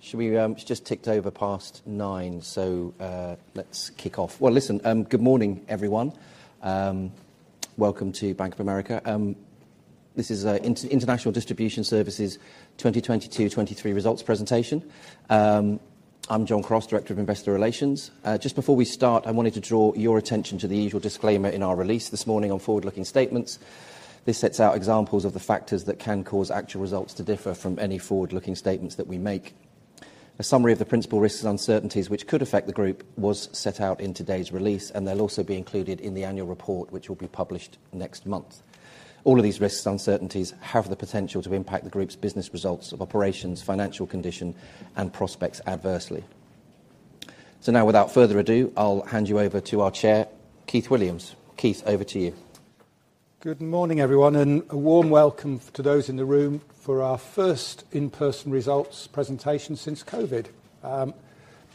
Should we. It is just ticked over past nine. Let's kick off. Well, listen, good morning, everyone. Welcome to Bank of America. This is International Distributions Services 2022, 2023 results presentation. I am John Crosse, Director of Investor Relations. Just before we start, I wanted to draw your attention to the usual disclaimer in our release this morning on forward-looking statements. This sets out examples of the factors that can cause actual results to differ from any forward-looking statements that we make. A summary of the principal risks and uncertainties which could affect the group was set out in today's release. They will also be included in the annual report, which will be published next month. All of these risks and uncertainties have the potential to impact the group's business results of operations, financial condition, and prospects adversely. Now without further ado, I'll hand you over to our Chair, Keith Williams. Keith, over to you. Good morning, everyone, and a warm welcome to those in the room for our first in-person results presentation since COVID.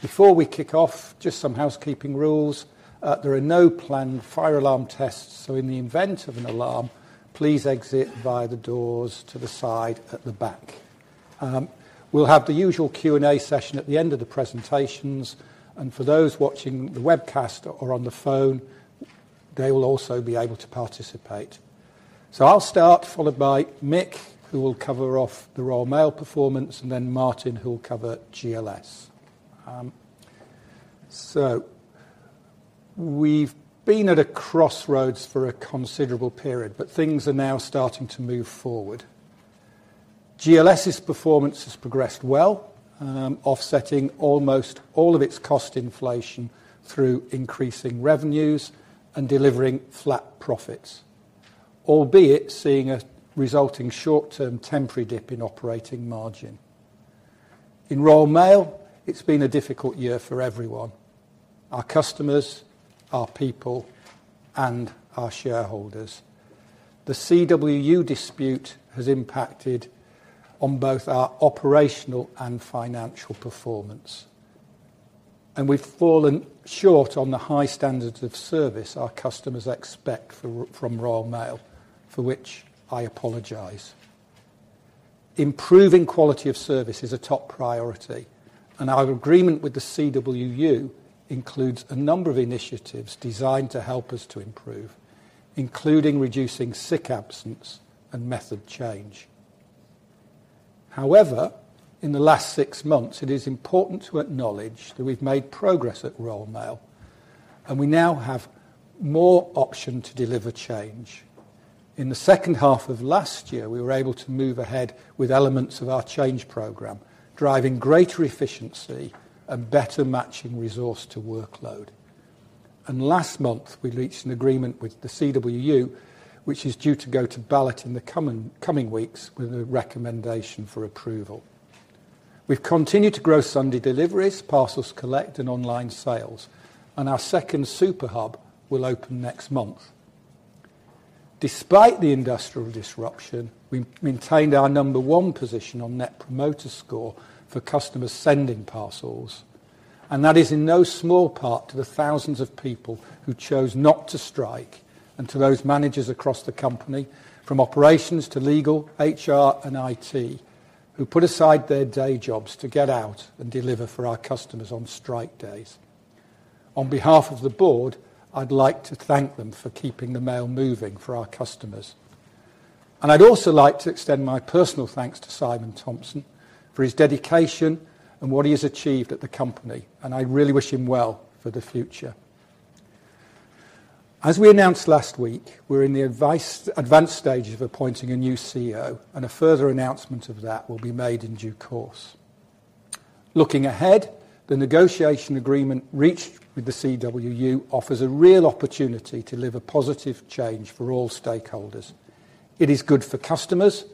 Before we kick off, just some housekeeping rules. There are no planned fire alarm tests. In the event of an alarm, please exit via the doors to the side at the back. We'll have the usual Q&A session at the end of the presentations, and for those watching the webcast or on the phone, they will also be able to participate. I'll start, followed by Mick, who will cover off the Royal Mail performance, and then Martin, who will cover GLS. We've been at a crossroads for a considerable period, but things are now starting to move forward. GLS's performance has progressed well, offsetting almost all of its cost inflation through increasing revenues and delivering flat profits, albeit seeing a resulting short-term temporary dip in operating margin. Royal Mail, it's been a difficult year for everyone, our customers, our people, and our shareholders. The CWU dispute has impacted on both our operational and financial performance, and we've fallen short on the high standards of service our customers expect from Royal Mail, for which I apologize. Improving quality of service is a top priority, and our agreement with the CWU includes a number of initiatives designed to help us to improve, including reducing sick absence and method change. In the last six months, it is important to acknowledge that we've made progress at Royal Mail, and we now have more option to deliver change. In the second half of last year, we were able to move ahead with elements of our change program, driving greater efficiency and better matching resource to workload. Last month, we reached an agreement with the CWU, which is due to go to ballot in the coming weeks with a recommendation for approval. We've continued to grow Sunday deliveries, parcels collect, and online sales, and our second Super Hub will open next month. Despite the industrial disruption, we maintained our number one position on Net Promoter Score for customers sending parcels. That is in no small part to the thousands of people who chose not to strike, and to those managers across the company from operations to legal, HR, and IT, who put aside their day jobs to get out and deliver for our customers on strike days. On behalf of the board, I'd like to thank them for keeping the mail moving for our customers. I'd also like to extend my personal thanks to Simon Thompson for his dedication and what he has achieved at the company. I really wish him well for the future. As we announced last week, we're in the advanced stages of appointing a new CEO, and a further announcement of that will be made in due course. Looking ahead, the negotiation agreement reached with the CWU offers a real opportunity to live a positive change for all stakeholders. It is good for customers,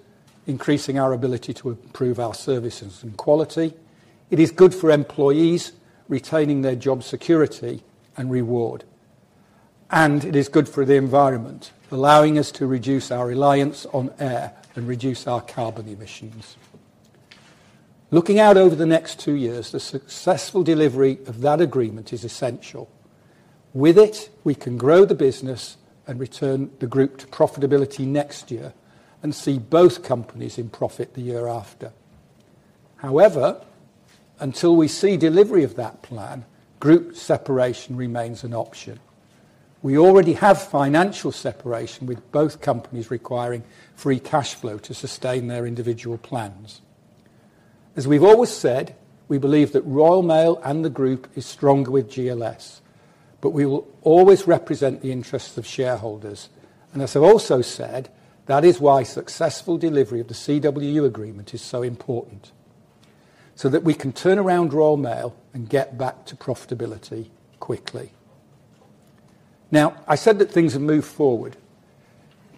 increasing our ability to improve our services and quality. It is good for employees, retaining their job security and reward. It is good for the environment, allowing us to reduce our reliance on air and reduce our carbon emissions. Looking out over the next two years, the successful delivery of that agreement is essential. With it, we can grow the business and return the group to profitability next year and see both companies in profit the year after. However, until we see delivery of that plan, group separation remains an option. We already have financial separation with both companies requiring free cash flow to sustain their individual plans. As we've always said, we believe that Royal Mail and the group is stronger with GLS, but we will always represent the interests of shareholders. As I've also said, that is why successful delivery of the CWU agreement is so important, so that we can turn around Royal Mail and get back to profitability quickly. Now, I said that things have moved forward.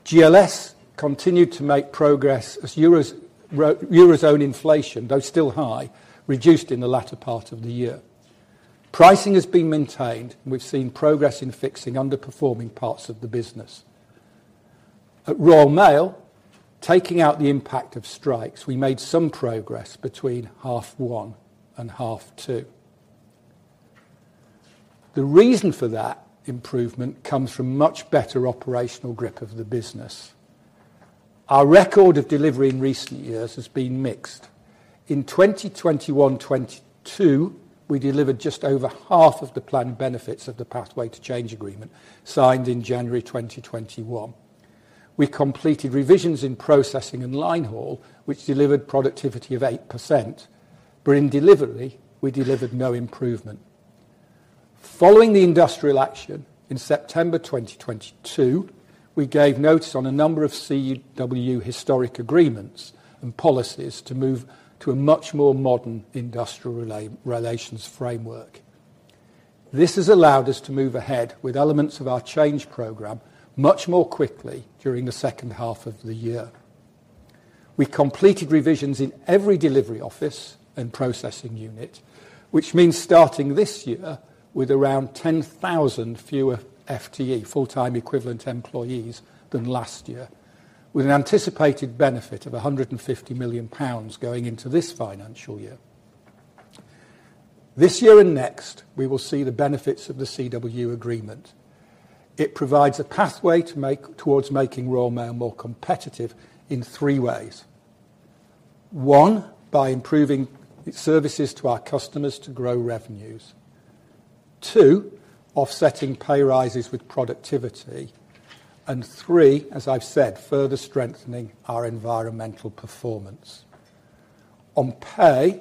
GLS continued to make progress as Eurozone inflation, though still high, reduced in the latter part of the year. Pricing has been maintained, we've seen progress in fixing underperforming parts of the business. At Royal Mail, taking out the impact of strikes, we made some progress between half one and half two. The reason for that improvement comes from much better operational grip of the business. Our record of delivery in recent years has been mixed. In 2021-2022, we delivered just over half of the planned benefits of the Pathway to Change agreement signed in January 2021. We completed revisions in processing and line haul, which delivered productivity of 8%, but in delivery, we delivered no improvement. Following the industrial action in September 2022, we gave notice on a number of CWU historic agreements and policies to move to a much more modern industrial relations framework. This has allowed us to move ahead with elements of our change program much more quickly during the second half of the year. We completed revisions in every delivery office and processing unit, which means starting this year with around 10,000 fewer FTE, full-time equivalent employees, than last year, with an anticipated benefit of 150 million pounds going into this financial year. This year and next, we will see the benefits of the CWU agreement. It provides a pathway towards making Royal Mail more competitive in three ways. One, by improving services to our customers to grow revenues. Two, offsetting pay rises with productivity. Three, as I've said, further strengthening our environmental performance. On pay,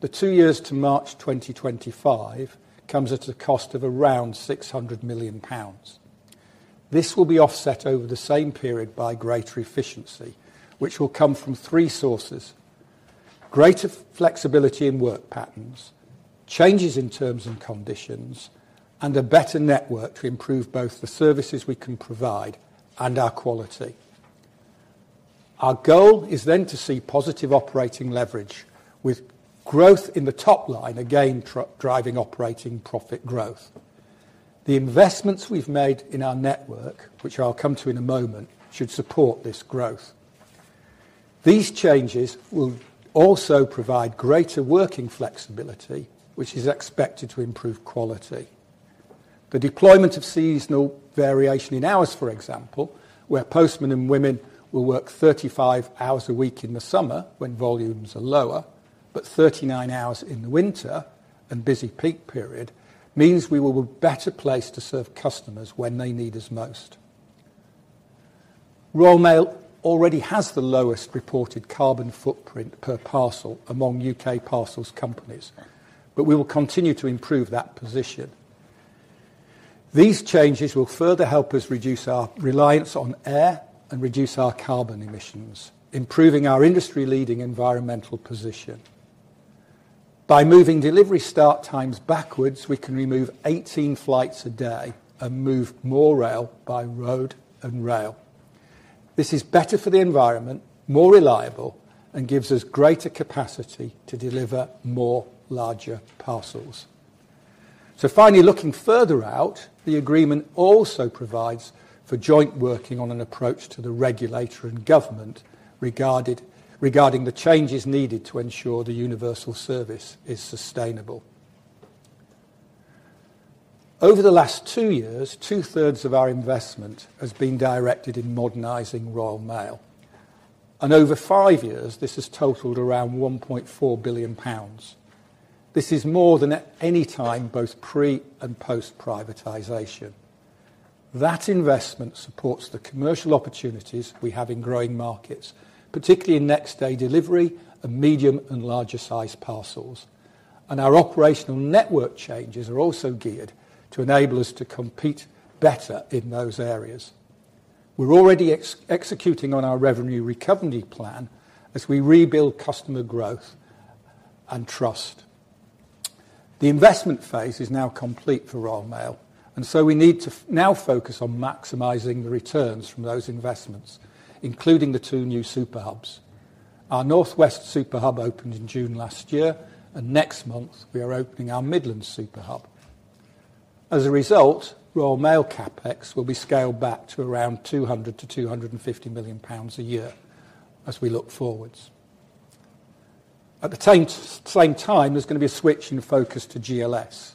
the two years to March 2025 comes at a cost of around 600 million pounds. This will be offset over the same period by greater efficiency, which will come from three sources: greater flexibility in work patterns, changes in terms and conditions, and a better network to improve both the services we can provide and our quality. Our goal is then to see positive operating leverage with growth in the top line, again, driving operating profit growth. The investments we've made in our network, which I'll come to in a moment, should support this growth. These changes will also provide greater working flexibility, which is expected to improve quality. The deployment of seasonal variation in hours, for example, where postmen and women will work 35 hours a week in the summer when volumes are lower, but 39 hours in the winter and busy peak period, means we will be better placed to serve customers when they need us most. Royal Mail already has the lowest reported carbon footprint per parcel among U.K. parcels companies, but we will continue to improve that position. These changes will further help us reduce our reliance on air and reduce our carbon emissions, improving our industry-leading environmental position. By moving delivery start times backwards, we can remove 18 flights a day and move more rail by road and rail. This is better for the environment, more reliable, and gives us greater capacity to deliver more larger parcels. Finally, looking further out, the agreement also provides for joint working on an approach to the regulator and government regarding the changes needed to ensure the universal service is sustainable. Over the last two years, 2/3 of our investment has been directed in modernizing Royal Mail, and over five years, this has totaled around 1.4 billion pounds. This is more than at any time, both pre- and post-privatization. That investment supports the commercial opportunities we have in growing markets, particularly in next-day delivery and medium and larger-sized parcels. Our operational network changes are also geared to enable us to compete better in those areas. We're already executing on our revenue recovery plan as we rebuild customer growth and trust. The investment phase is now complete for Royal Mail, we need now focus on maximizing the returns from those investments, including the two new Super Hubs. Our North West Super Hub opened in June last year, and next month, we are opening our Midland Super Hub. As a result, Royal Mail CapEx will be scaled back to around 200 million-250 million pounds a year as we look forwards. At the same time, there's gonna be a switch in focus to GLS.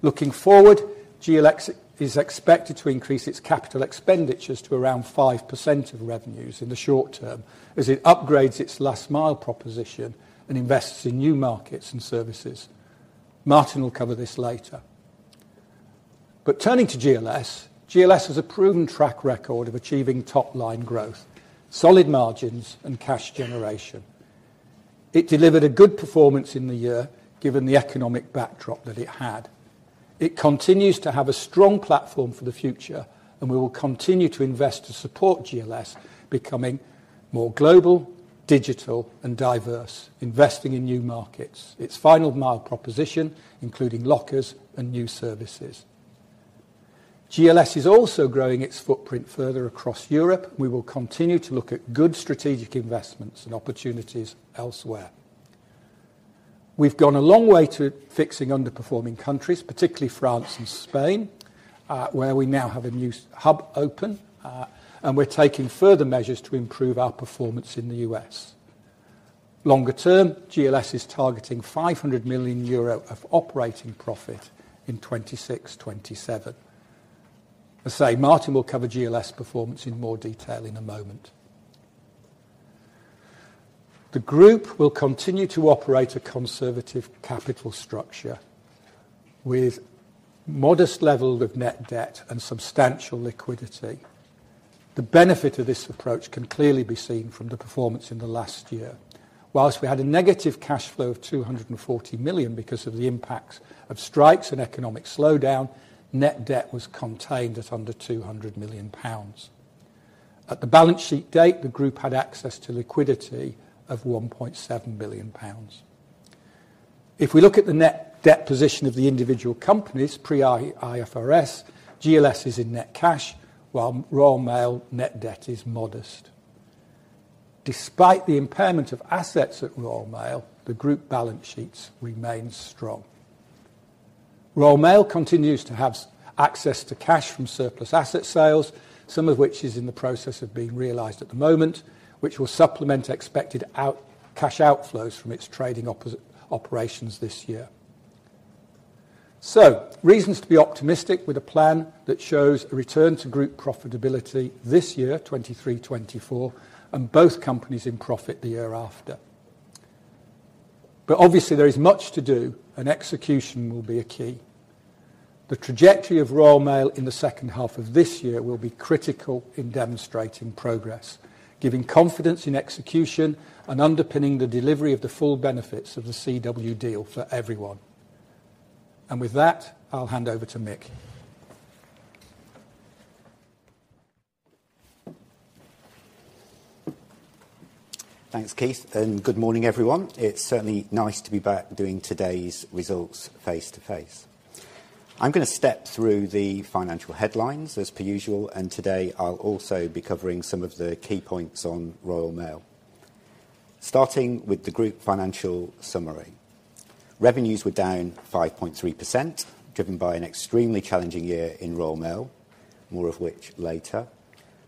Looking forward, GLS is expected to increase its capital expenditures to around 5% of revenues in the short term as it upgrades its last-mile proposition and invests in new markets and services. Martin will cover this later. Turning to GLS has a proven track record of achieving top-line growth, solid margins, and cash generation. It delivered a good performance in the year given the economic backdrop that it had. It continues to have a strong platform for the future. We will continue to invest to support GLS becoming more global, digital, and diverse, investing in new markets, its final mile proposition, including lockers and new services. GLS is also growing its footprint further across Europe. We will continue to look at good strategic investments and opportunities elsewhere. We've gone a long way to fixing underperforming countries, particularly France and Spain, where we now have a new hub open, and we're taking further measures to improve our performance in the U.S. Longer term, GLS is targeting 500 million euro of operating profit in 2026, 2027. As I say, Martin will cover GLS performance in more detail in a moment. The group will continue to operate a conservative capital structure with modest level of net debt and substantial liquidity. The benefit of this approach can clearly be seen from the performance in the last year. Whilst we had a negative cash flow of 240 million because of the impacts of strikes and economic slowdown, net debt was contained at under 200 million pounds. At the balance sheet date, the group had access to liquidity of 1.7 billion pounds. If we look at the net debt position of the individual companies pre-IFRS, GLS is in net cash, while Royal Mail net debt is modest. Despite the impairment of assets at Royal Mail, the group balance sheets remain strong. Royal Mail continues to have access to cash from surplus asset sales, some of which is in the process of being realized at the moment, which will supplement expected cash outflows from its trading operations this year. Reasons to be optimistic with a plan that shows a return to group profitability this year, 2023-2024, and both companies in profit the year after. Obviously there is much to do and execution will be a key. The trajectory of Royal Mail in the second half of this year will be critical in demonstrating progress, giving confidence in execution and underpinning the delivery of the full benefits of the CW deal for everyone. With that, I'll hand over to Mick. Thanks, Keith. Good morning, everyone. It's certainly nice to be back doing today's results face to face. I'm gonna step through the financial headlines as per usual. Today I'll also be covering some of the key points on Royal Mail. Starting with the group financial summary. Revenues were down 5.3%, driven by an extremely challenging year in Royal Mail, more of which later.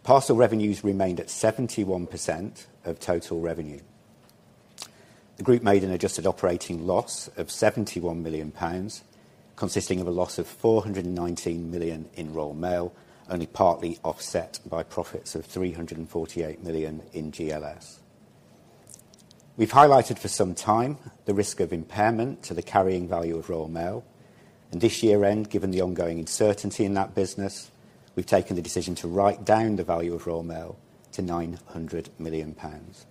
Parcel revenues remained at 71% of total revenue. The group made an adjusted operating loss of 71 million pounds, consisting of a loss of 419 million in Royal Mail, only partly offset by profits of 348 million in GLS. We've highlighted for some time the risk of impairment to the carrying value of Royal Mail. This year-end, given the ongoing uncertainty in that business, we've taken the decision to write down the value of Royal Mail to 900 million pounds.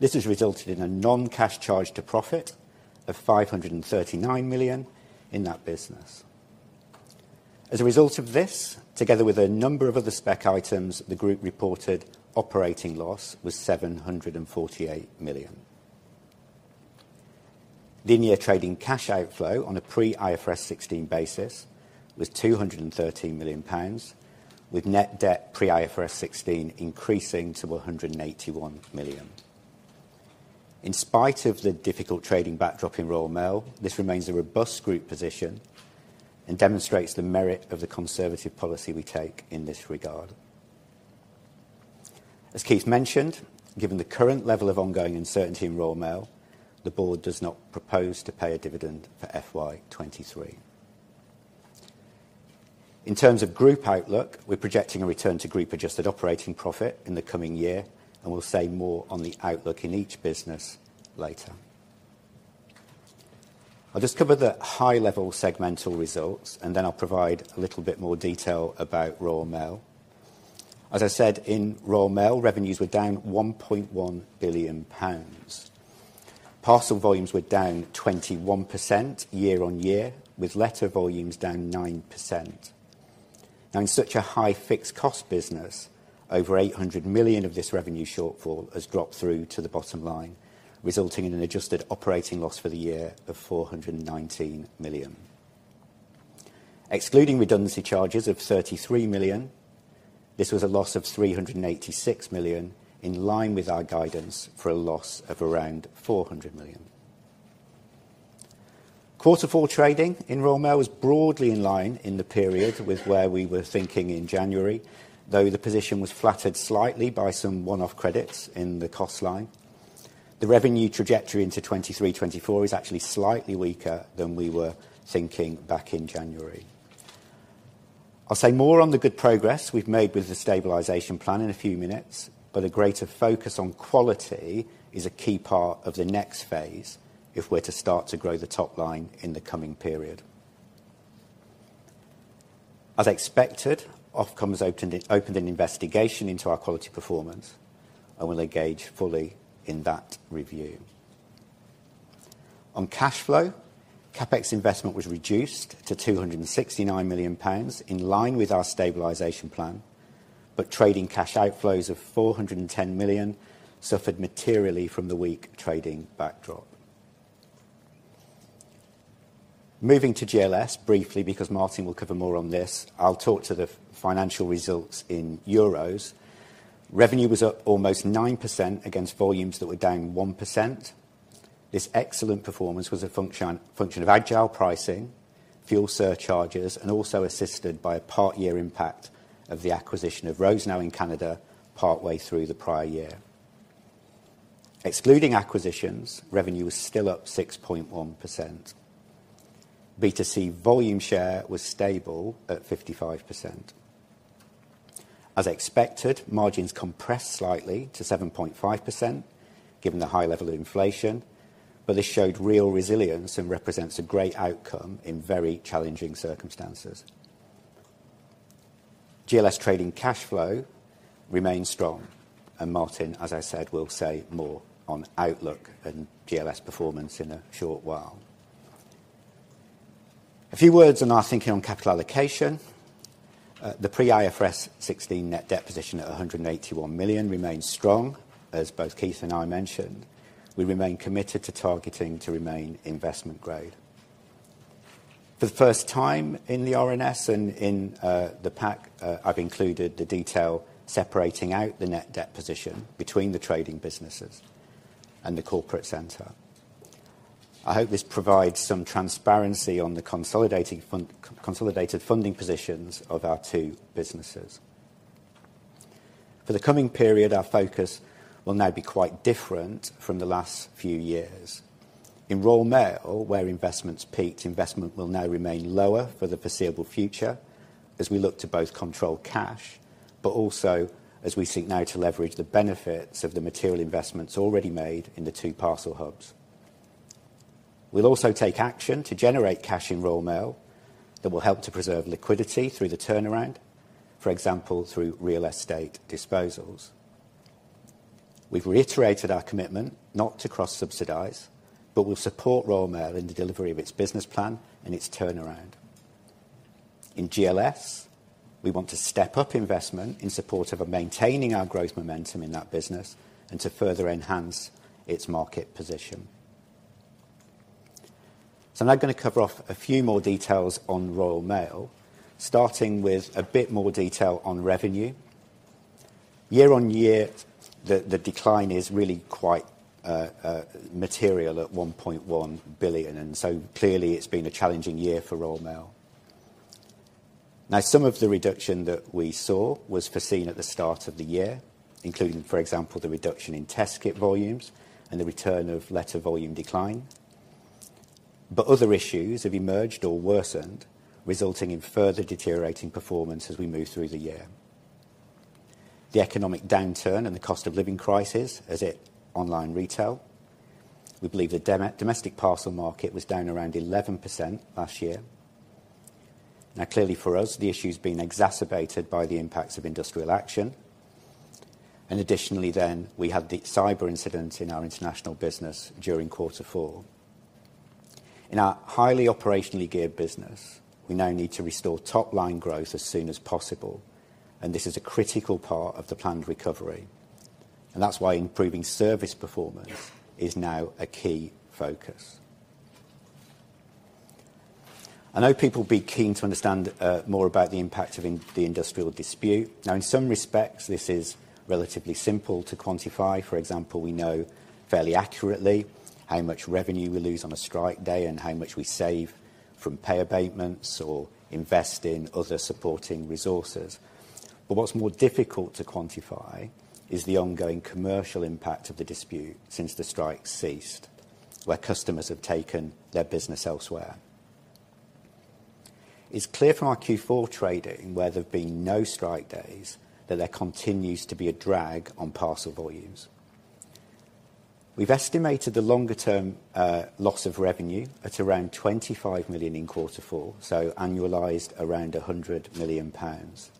This has resulted in a non-cash charge to profit of 539 million in that business. As a result of this, together with a number of other spec items, the group reported operating loss was 748 million. The near trading cash outflow on a pre-IFRS 16 basis was 213 million pounds, with net debt pre-IFRS 16 increasing to 181 million. In spite of the difficult trading backdrop in Royal Mail, this remains a robust group position and demonstrates the merit of the conservative policy we take in this regard. As Keith mentioned, given the current level of ongoing uncertainty in Royal Mail, the board does not propose to pay a dividend for FY 2023. In terms of group outlook, we're projecting a return to group-adjusted operating profit in the coming year, and we'll say more on the outlook in each business later. I'll just cover the high-level segmental results, then I'll provide a little bit more detail about Royal Mail. As I said, in Royal Mail, revenues were down 1.1 billion pounds. Parcel volumes were down 21% year-on-year, with letter volumes down 9%. In such a high fixed cost business, over 800 million of this revenue shortfall has dropped through to the bottom line, resulting in an adjusted operating loss for the year of 419 million. Excluding redundancy charges of 33 million, this was a loss of 386 million, in line with our guidance for a loss of around 400 million. Quarter full trading in Royal Mail was broadly in line in the period with where we were thinking in January, though the position was flattered slightly by some one-off credits in the cost line. The revenue trajectory into 2023, 2024 is actually slightly weaker than we were thinking back in January. I'll say more on the good progress we've made with the stabilization plan in a few minutes, but a greater focus on quality is a key part of the next phase if we're to start to grow the top line in the coming period. As expected, Ofcom's opened an investigation into our quality performance and will engage fully in that review. On cash flow, CapEx investment was reduced to 269 million pounds, in line with our stabilization plan. Trading cash outflows of 410 million suffered materially from the weak trading backdrop. Moving to GLS, briefly, because Martin will cover more on this. I'll talk to the financial results in EUR. Revenue was up almost 9% against volumes that were down 1%. This excellent performance was a function of agile pricing, fuel surcharges, and also assisted by a part-year impact of the acquisition of Rosenau in Canada partway through the prior year. Excluding acquisitions, revenue was still up 6.1%. B2C volume share was stable at 55%. As expected, margins compressed slightly to 7.5% given the high level of inflation. This showed real resilience and represents a great outcome in very challenging circumstances. GLS trading cash flow remains strong. Martin, as I said, will say more on outlook and GLS performance in a short while. A few words on our thinking on capital allocation. The pre-IFRS 16 net debt position at 181 million remains strong, as both Keith and I mentioned. We remain committed to targeting to remain investment grade. For the first time in the RNS and in the pack, I've included the detail separating out the net debt position between the trading businesses and the corporate center. I hope this provides some transparency on the consolidated funding positions of our two businesses. For the coming period, our focus will now be quite different from the last few years. In Royal Mail, where investments peaked, investment will now remain lower for the foreseeable future as we look to both control cash, but also as we seek now to leverage the benefits of the material investments already made in the two parcel hubs. We'll also take action to generate cash in Royal Mail that will help to preserve liquidity through the turnaround, for example, through real estate disposals. We've reiterated our commitment not to cross-subsidize, but we'll support Royal Mail in the delivery of its business plan and its turnaround. In GLS, we want to step up investment in support of maintaining our growth momentum in that business and to further enhance its market position. I'm now gonna cover off a few more details on Royal Mail, starting with a bit more detail on revenue. Year on year, the decline is really quite material at 1.1 billion. Clearly, it's been a challenging year for Royal Mail. Some of the reduction that we saw was foreseen at the start of the year, including, for example, the reduction in test kit volumes and the return of letter volume decline. Other issues have emerged or worsened, resulting in further deteriorating performance as we move through the year. The economic downturn and the cost of living crisis has hit online retail. We believe the domestic parcel market was down around 11% last year. Clearly for us, the issue's been exacerbated by the impacts of industrial action. Additionally then, we had the cyber incident in our international business during quarter four. In our highly operationally geared business, we now need to restore top-line growth as soon as possible, this is a critical part of the planned recovery. That's why improving service performance is now a key focus. I know people will be keen to understand more about the impact of the industrial dispute. Now, in some respects this is relatively simple to quantify. For example, we know fairly accurately how much revenue we lose on a strike day and how much we save from pay abatements or invest in other supporting resources. What's more difficult to quantify is the ongoing commercial impact of the dispute since the strike ceased, where customers have taken their business elsewhere. It's clear from our Q4 trading, where there have been no strike days, that there continues to be a drag on parcel volumes. We've estimated the longer term loss of revenue at around 25 million in quarter four, so annualized around 100 million pounds.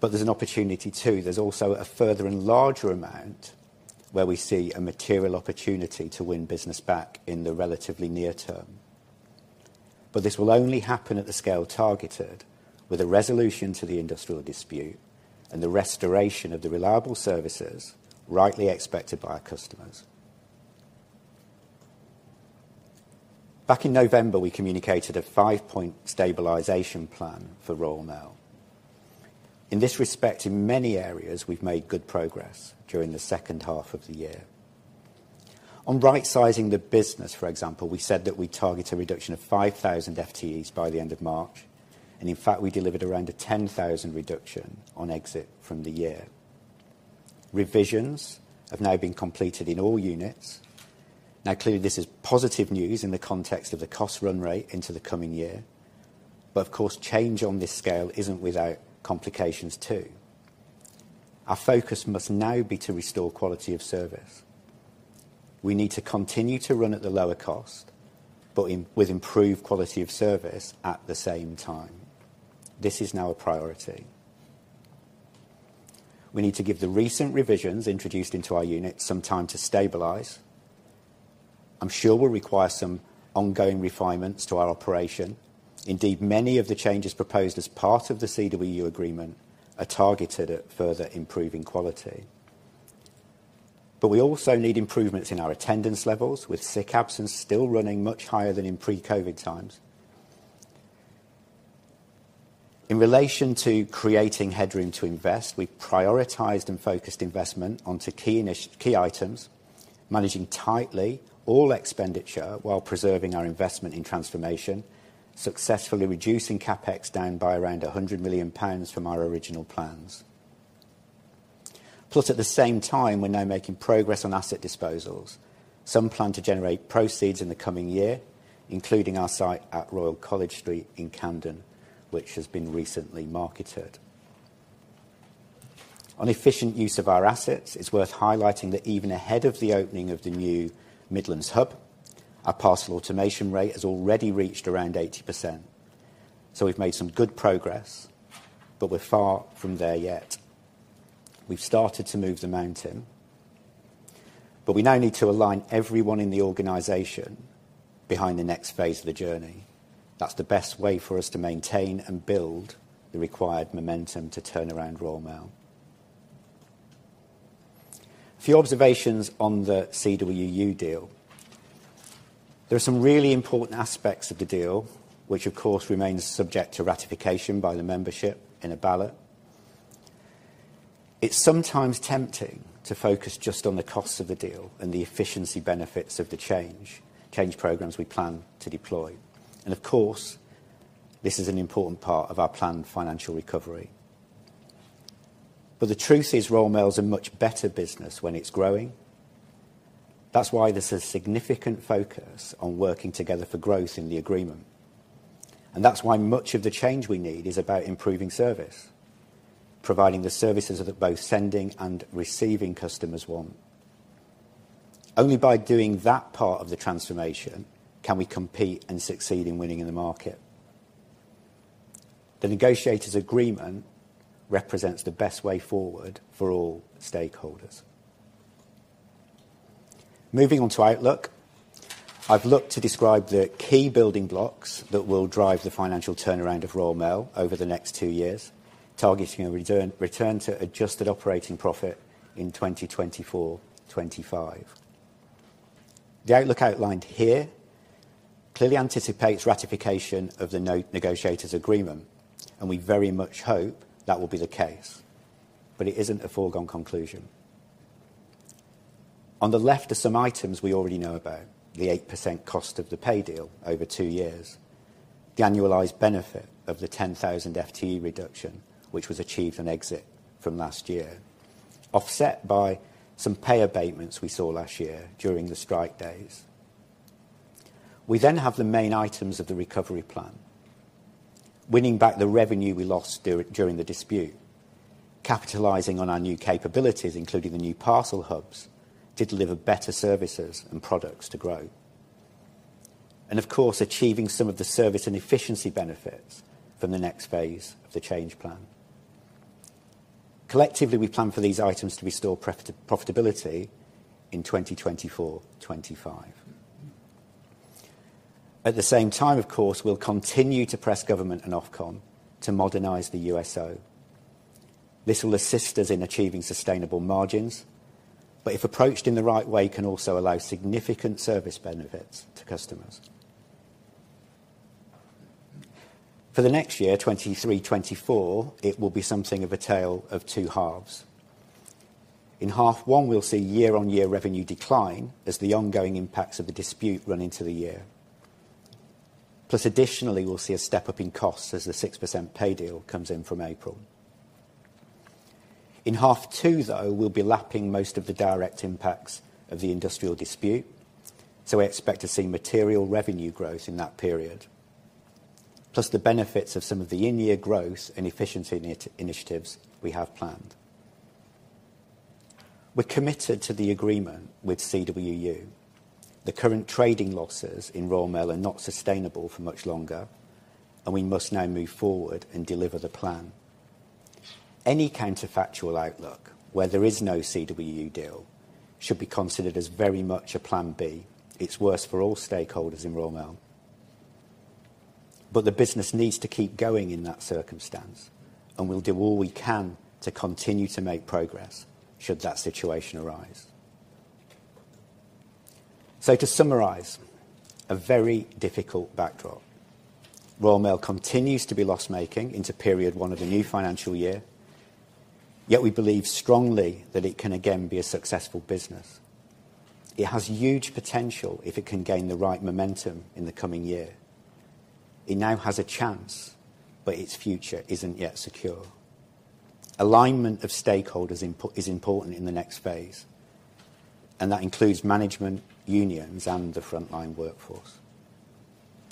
There's an opportunity too. There's also a further and larger amount where we see a material opportunity to win business back in the relatively near term. This will only happen at the scale targeted with a resolution to the industrial dispute and the restoration of the reliable services rightly expected by our customers. Back in November, we communicated a five-point stabilization plan for Royal Mail. In this respect, in many areas, we've made good progress during the second half of the year. On rightsizing the business, for example, we said that we'd target a reduction of 5,000 FTEs by the end of March, and in fact, we delivered around a 10,000 reduction on exit from the year. Revisions have now been completed in all units. Clearly, this is positive news in the context of the cost run rate into the coming year. Of course, change on this scale isn't without complications too. Our focus must now be to restore quality of service. We need to continue to run at the lower cost, but with improved quality of service at the same time. This is now a priority. We need to give the recent revisions introduced into our units some time to stabilize. I'm sure we'll require some ongoing refinements to our operation. Indeed, many of the changes proposed as part of the CWU agreement are targeted at further improving quality. We also need improvements in our attendance levels, with sick absence still running much higher than in pre-COVID times. In relation to creating headroom to invest, we prioritized and focused investment onto key items, managing tightly all expenditure while preserving our investment in transformation, successfully reducing CapEx down by around 100 million pounds from our original plans. At the same time, we're now making progress on asset disposals. Some plan to generate proceeds in the coming year, including our site at Royal College Street in Camden, which has been recently marketed. On efficient use of our assets, it's worth highlighting that even ahead of the opening of the new Midlands Hub, our parcel automation rate has already reached around 80%. We've made some good progress, but we're far from there yet. We've started to move the mountain, we now need to align everyone in the organization behind the next phase of the journey. That's the best way for us to maintain and build the required momentum to turn around Royal Mail. Few observations on the CWU deal. There are some really important aspects of the deal which, of course, remains subject to ratification by the membership in a ballot. It's sometimes tempting to focus just on the costs of the deal and the efficiency benefits of the change programs we plan to deploy. Of course, this is an important part of our planned financial recovery. The truth is, Royal Mail is a much better business when it's growing. That's why there's a significant focus on working together for growth in the agreement, and that's why much of the change we need is about improving service, providing the services that both sending and receiving customers want. Only by doing that part of the transformation can we compete and succeed in winning in the market. The negotiators' agreement represents the best way forward for all stakeholders. Moving on to outlook. I've looked to describe the key building blocks that will drive the financial turnaround of Royal Mail over the next two years, targeting a return to adjusted operating profit in 2024/2025. The outlook outlined here clearly anticipates ratification of the negotiators' agreement, and we very much hope that will be the case, but it isn't a foregone conclusion. On the left are some items we already know about. The 8% cost of the pay deal over two years. The annualized benefit of the 10,000 FTE reduction, which was achieved on exit from last year. Offset by some pay abatements we saw last year during the strike days. We then have the main items of the recovery plan. Winning back the revenue we lost during the dispute. Capitalizing on our new capabilities, including the new parcel hubs, to deliver better services and products to grow. Of course, achieving some of the service and efficiency benefits from the next phase of the change plan. Collectively, we plan for these items to restore profitability in 2024/2025. At the same time, of course, we'll continue to press government and Ofcom to modernize the USO. This will assist us in achieving sustainable margins, but if approached in the right way, can also allow significant service benefits to customers. For the next year, 2023/2024, it will be something of a tale of two halves. In half one, we'll see year-on-year revenue decline as the ongoing impacts of the dispute run into the year. Additionally, we'll see a step-up in costs as the 6% pay deal comes in from April. In half two, though, we'll be lapping most of the direct impacts of the industrial dispute, we expect to see material revenue growth in that period, plus the benefits of some of the in-year growth and efficiency initiatives we have planned. We're committed to the agreement with CWU. The current trading losses in Royal Mail are not sustainable for much longer, we must now move forward and deliver the plan. Any counterfactual outlook where there is no CWU deal should be considered as very much a plan B. It's worse for all stakeholders in Royal Mail. The business needs to keep going in that circumstance, and we'll do all we can to continue to make progress should that situation arise. To summarize, a very difficult backdrop. Royal Mail continues to be loss-making into period one of the new financial year. Yet we believe strongly that it can again be a successful business. It has huge potential if it can gain the right momentum in the coming year. It now has a chance, but its future isn't yet secure. Alignment of stakeholders input is important in the next phase, and that includes management, unions, and the frontline workforce.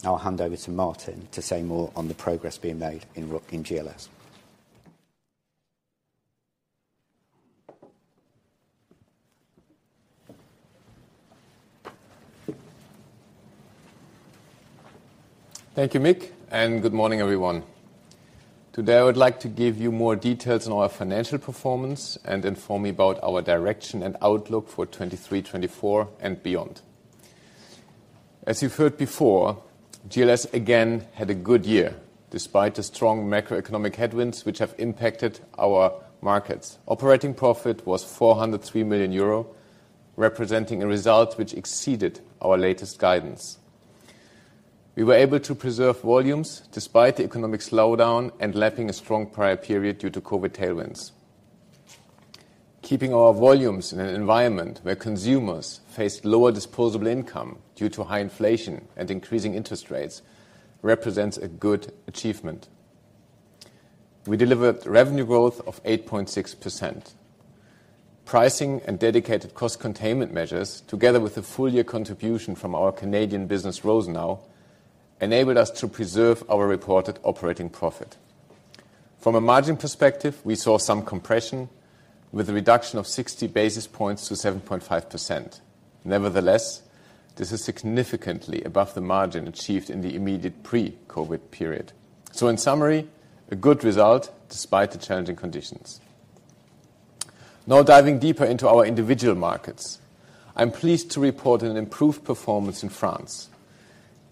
I'll hand over to Martin to say more on the progress being made in GLS. Thank you, Mick. Good morning, everyone. Today, I would like to give you more details on our financial performance and inform you about our direction and outlook for 2023/2024 and beyond. As you've heard before, GLS again had a good year despite the strong macroeconomic headwinds which have impacted our markets. Operating profit was 403 million euro. Representing a result which exceeded our latest guidance. We were able to preserve volumes despite the economic slowdown and lapping a strong prior period due to COVID tailwinds. Keeping our volumes in an environment where consumers face lower disposable income due to high inflation and increasing interest rates represents a good achievement. We delivered revenue growth of 8.6%. Pricing and dedicated cost containment measures, together with the full year contribution from our Canadian business, Rosenau, enabled us to preserve our reported operating profit. From a margin perspective, we saw some compression with a reduction of 60 basis points to 7.5%. Nevertheless, this is significantly above the margin achieved in the immediate pre-COVID period. In summary, a good result despite the challenging conditions. Diving deeper into our individual markets, I'm pleased to report an improved performance in France.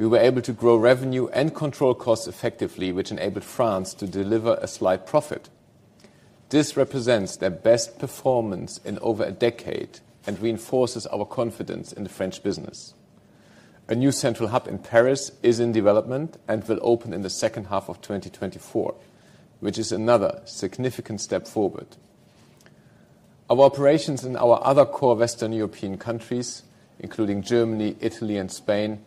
We were able to grow revenue and control costs effectively, which enabled France to deliver a slight profit. This represents their best performance in over a decade and reinforces our confidence in the French business. A new central hub in Paris is in development and will open in the second half of 2024, which is another significant step forward. Our operations in our other core Western European countries, including Germany, Italy, and Spain,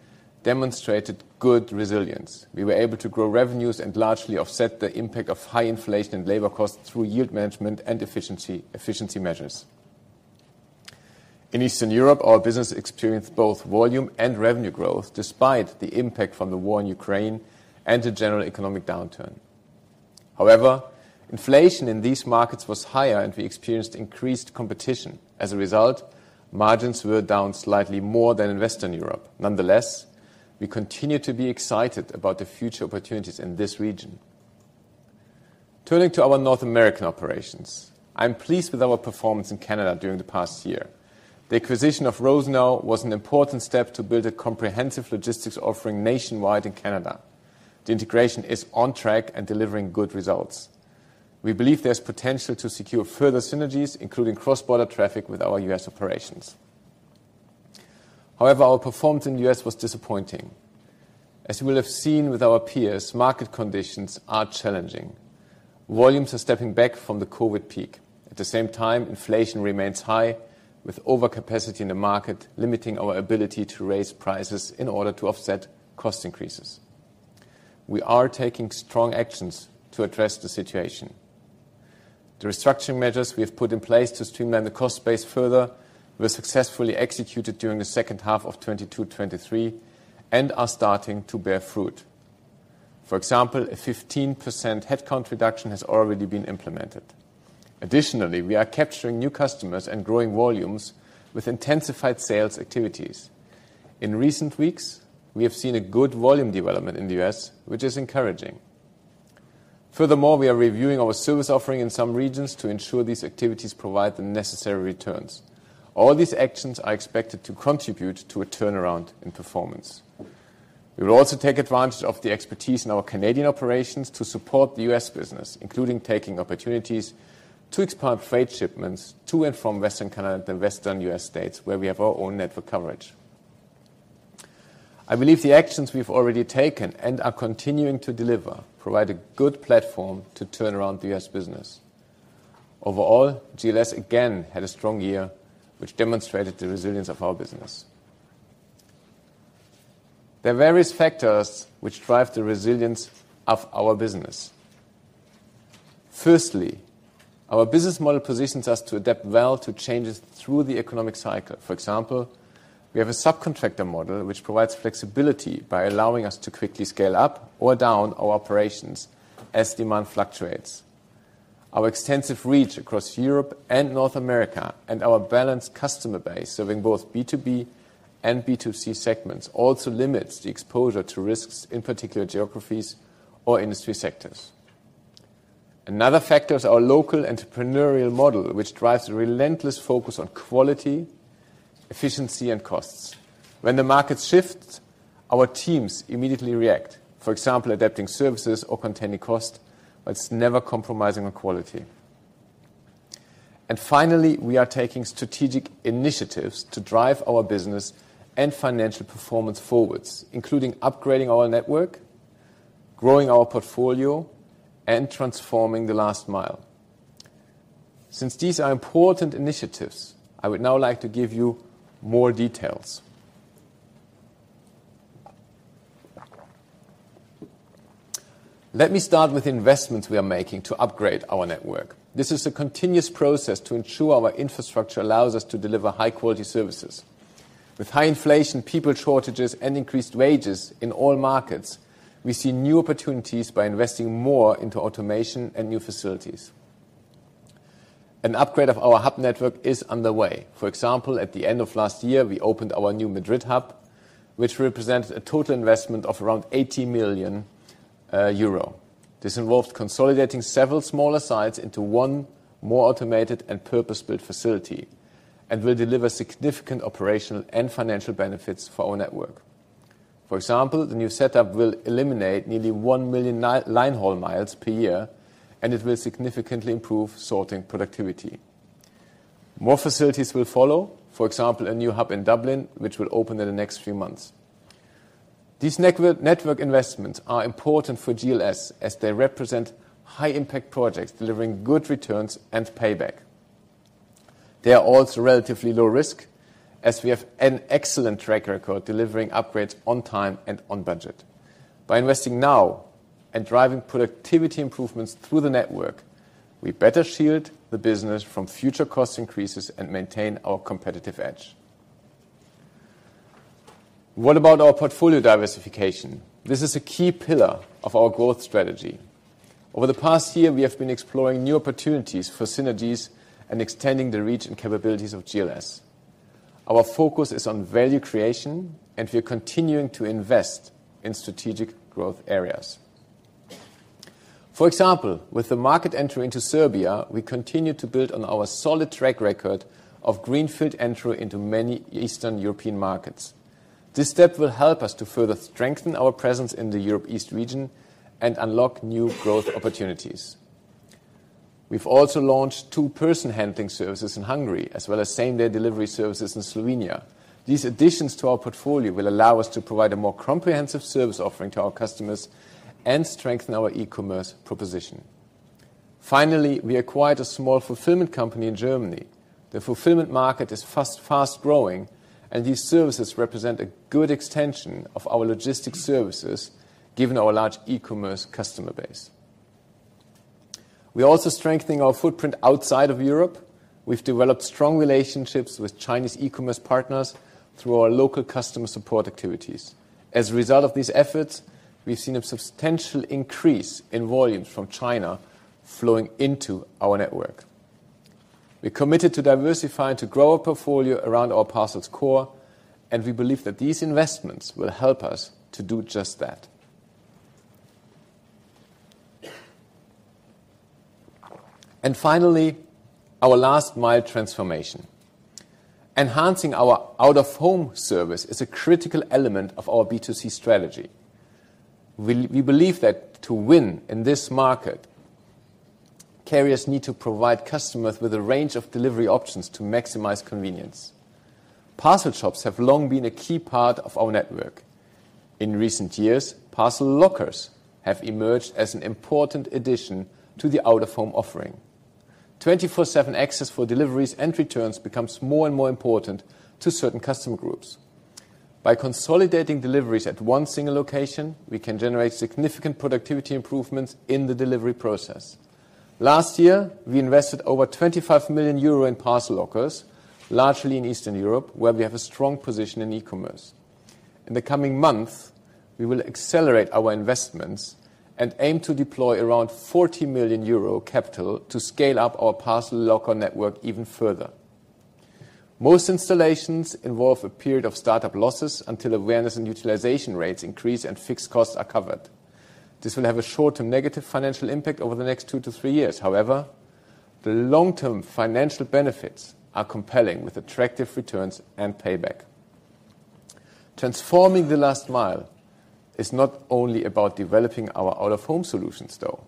demonstrated good resilience. We were able to grow revenues and largely offset the impact of high inflation and labor costs through yield management and efficiency measures. In Eastern Europe, our business experienced both volume and revenue growth despite the impact from the war in Ukraine and the general economic downturn. However, inflation in these markets was higher, and we experienced increased competition. As a result, margins were down slightly more than in Western Europe. Nonetheless, we continue to be excited about the future opportunities in this region. Turning to our North American operations, I'm pleased with our performance in Canada during the past year. The acquisition of Rosenau was an important step to build a comprehensive logistics offering nationwide in Canada. The integration is on track and delivering good results. We believe there's potential to secure further synergies, including cross-border traffic with our U.S. operations. However, our performance in the U.S. was disappointing. As you will have seen with our peers, market conditions are challenging. Volumes are stepping back from the COVID peak. At the same time, inflation remains high, with overcapacity in the market limiting our ability to raise prices in order to offset cost increases. We are taking strong actions to address the situation. The restructuring measures we have put in place to streamline the cost base further were successfully executed during the second half of 2022, 2023 and are starting to bear fruit. For example, a 15% headcount reduction has already been implemented. Additionally, we are capturing new customers and growing volumes with intensified sales activities. In recent weeks, we have seen a good volume development in the U.S. which is encouraging. Furthermore, we are reviewing our service offering in some regions to ensure these activities provide the necessary returns. All these actions are expected to contribute to a turnaround in performance. We will also take advantage of the expertise in our Canadian operations to support the U.S. business, including taking opportunities to expand freight shipments to and from Western Canada and Western U.S. states, where we have our own network coverage. I believe the actions we've already taken and are continuing to deliver provide a good platform to turn around the U.S. business. Overall, GLS again had a strong year, which demonstrated the resilience of our business. There are various factors which drive the resilience of our business. Firstly, our business model positions us to adapt well to changes through the economic cycle. For example, we have a subcontractor model which provides flexibility by allowing us to quickly scale up or down our operations as demand fluctuates. Our extensive reach across Europe and North America and our balanced customer base, serving both B2B and B2C segments, also limits the exposure to risks, in particular geographies or industry sectors. Another factor is our local entrepreneurial model, which drives a relentless focus on quality, efficiency, and costs. When the market shifts, our teams immediately react. For example, adapting services or containing cost, but it's never compromising on quality. Finally, we are taking strategic initiatives to drive our business and financial performance forwards, including upgrading our network, growing our portfolio, and transforming the last mile. Since these are important initiatives, I would now like to give you more details. Let me start with investments we are making to upgrade our network. This is a continuous process to ensure our infrastructure allows us to deliver high-quality services. With high inflation, people shortages, and increased wages in all markets, we see new opportunities by investing more into automation and new facilities. An upgrade of our hub network is underway. For example, at the end of last year, we opened our new Madrid hub, which represents a total investment of around 80 million euro. This involved consolidating several smaller sites into one more automated and purpose-built facility and will deliver significant operational and financial benefits for our network. For example, the new setup will eliminate nearly one million line haul miles per year, and it will significantly improve sorting productivity. More facilities will follow, for example, a new hub in Dublin, which will open in the next few months. These network investments are important for GLS as they represent high impact projects delivering good returns and payback. They are also relatively low risk, as we have an excellent track record delivering upgrades on time and on budget. By investing now and driving productivity improvements through the network, we better shield the business from future cost increases and maintain our competitive edge. What about our portfolio diversification? This is a key pillar of our growth strategy. Over the past year, we have been exploring new opportunities for synergies and extending the reach and capabilities of GLS. Our focus is on value creation, and we are continuing to invest in strategic growth areas. For example, with the market entry into Serbia, we continue to build on our solid track record of greenfield entry into many Eastern European markets. This step will help us to further strengthen our presence in the Europe East region and unlock new growth opportunities. We've also launched two-person handling services in Hungary, as well as same-day delivery services in Slovenia. These additions to our portfolio will allow us to provide a more comprehensive service offering to our customers and strengthen our e-commerce proposition. Finally, we acquired a small fulfillment company in Germany. The fulfillment market is fast-growing, and these services represent a good extension of our logistics services given our large e-commerce customer base. We're also strengthening our footprint outside of Europe. We've developed strong relationships with Chinese e-commerce partners through our local customer support activities. As a result of these efforts, we've seen a substantial increase in volume from China flowing into our network. We're committed to diversifying to grow our portfolio around our parcels core, and we believe that these investments will help us to do just that. Finally, our last-mile transformation. Enhancing our out-of-home service is a critical element of our B2C strategy. We believe that to win in this market, carriers need to provide customers with a range of delivery options to maximize convenience. Parcel shops have long been a key part of our network. In recent years, parcel lockers have emerged as an important addition to the out-of-home offering. 24/7 access for deliveries and returns becomes more and more important to certain customer groups. By consolidating deliveries at one single location, we can generate significant productivity improvements in the delivery process. Last year, we invested over 25 million euro in parcel lockers, largely in Eastern Europe, where we have a strong position in e-commerce. In the coming months, we will accelerate our investments and aim to deploy around 40 million euro capital to scale up our parcel locker network even further. Most installations involve a period of startup losses until awareness and utilization rates increase and fixed costs are covered. This will have a short-term negative financial impact over the next two to three years. However, the long-term financial benefits are compelling with attractive returns and payback. Transforming the last mile is not only about developing our out-of-home solutions, though.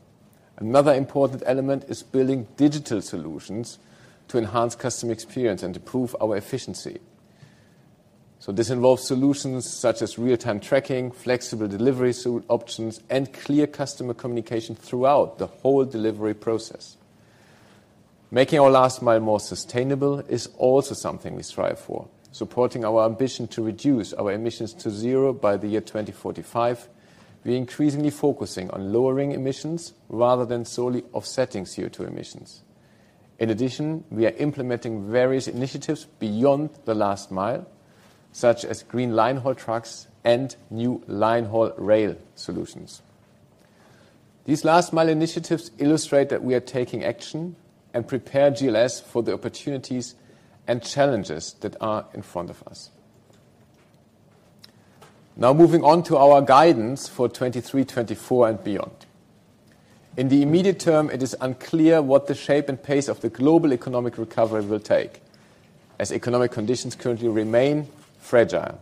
Another important element is building digital solutions to enhance customer experience and improve our efficiency. This involves solutions such as real-time tracking, flexible delivery options, and clear customer communication throughout the whole delivery process. Making our last mile more sustainable is also something we strive for. Supporting our ambition to reduce our emissions to zero by the year 2045, we're increasingly focusing on lowering emissions rather than solely offsetting CO2 emissions. In addition, we are implementing various initiatives beyond the last mile, such as green line haul trucks and new line haul rail solutions. These last-mile initiatives illustrate that we are taking action and prepare GLS for the opportunities and challenges that are in front of us. Moving on to our guidance for 2023, 2024 and beyond. In the immediate term, it is unclear what the shape and pace of the global economic recovery will take, as economic conditions currently remain fragile.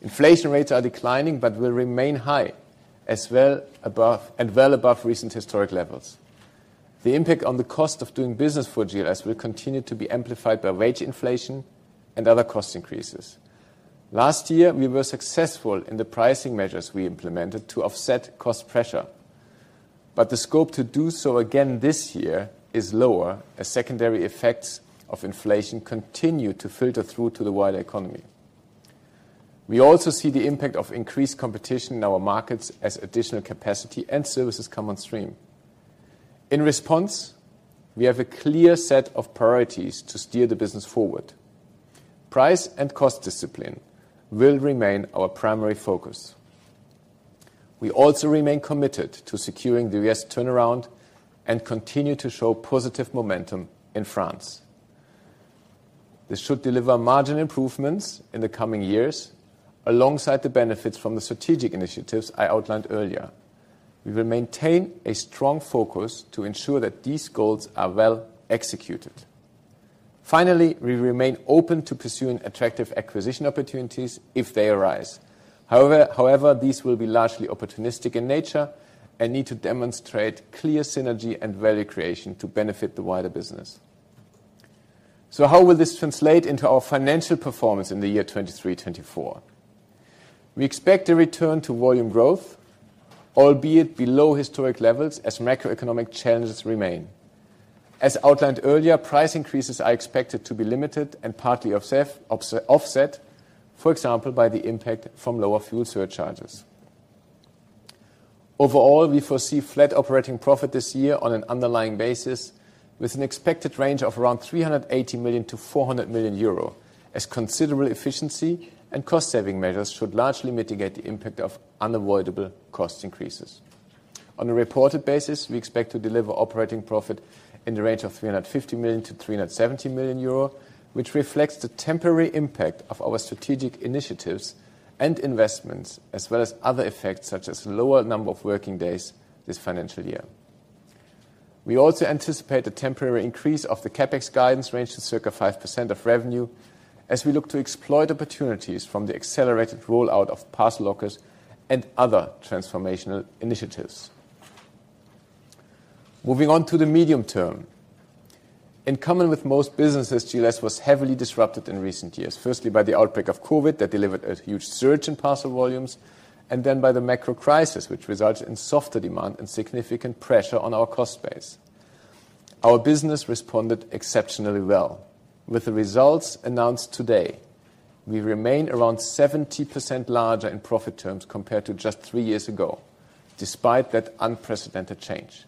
Inflation rates are declining but will remain high, as well above recent historic levels. The impact on the cost of doing business for GLS will continue to be amplified by wage inflation and other cost increases. Last year, we were successful in the pricing measures we implemented to offset cost pressure. The scope to do so again this year is lower as secondary effects of inflation continue to filter through to the wider economy. We also see the impact of increased competition in our markets as additional capacity and services come on stream. In response, we have a clear set of priorities to steer the business forward. Price and cost discipline will remain our primary focus. We also remain committed to securing the U.S. turnaround and continue to show positive momentum in France. This should deliver margin improvements in the coming years, alongside the benefits from the strategic initiatives I outlined earlier. We will maintain a strong focus to ensure that these goals are well executed. Finally, we remain open to pursuing attractive acquisition opportunities if they arise. However, these will be largely opportunistic in nature and need to demonstrate clear synergy and value creation to benefit the wider business. How will this translate into our financial performance in the year 2023/2024? We expect a return to volume growth, albeit below historic levels as macroeconomic challenges remain. As outlined earlier, price increases are expected to be limited and partly offset, for example, by the impact from lower fuel surcharges. Overall, we foresee flat operating profit this year on an underlying basis, with an expected range of around 380 million-400 million euro as considerable efficiency and cost-saving measures should largely mitigate the impact of unavoidable cost increases. On a reported basis, we expect to deliver operating profit in the range of 350 million-370 million euro, which reflects the temporary impact of our strategic initiatives and investments, as well as other effects such as lower number of working days this financial year. We also anticipate a temporary increase of the CapEx guidance range to circa 5% of revenue as we look to exploit opportunities from the accelerated rollout of parcel lockers and other transformational initiatives. Moving on to the medium term. In common with most businesses, GLS was heavily disrupted in recent years. Firstly, by the outbreak of COVID that delivered a huge surge in parcel volumes, and then by the macro crisis, which resulted in softer demand and significant pressure on our cost base. Our business responded exceptionally well. With the results announced today, we remain around 70% larger in profit terms compared to just three years ago, despite that unprecedented change.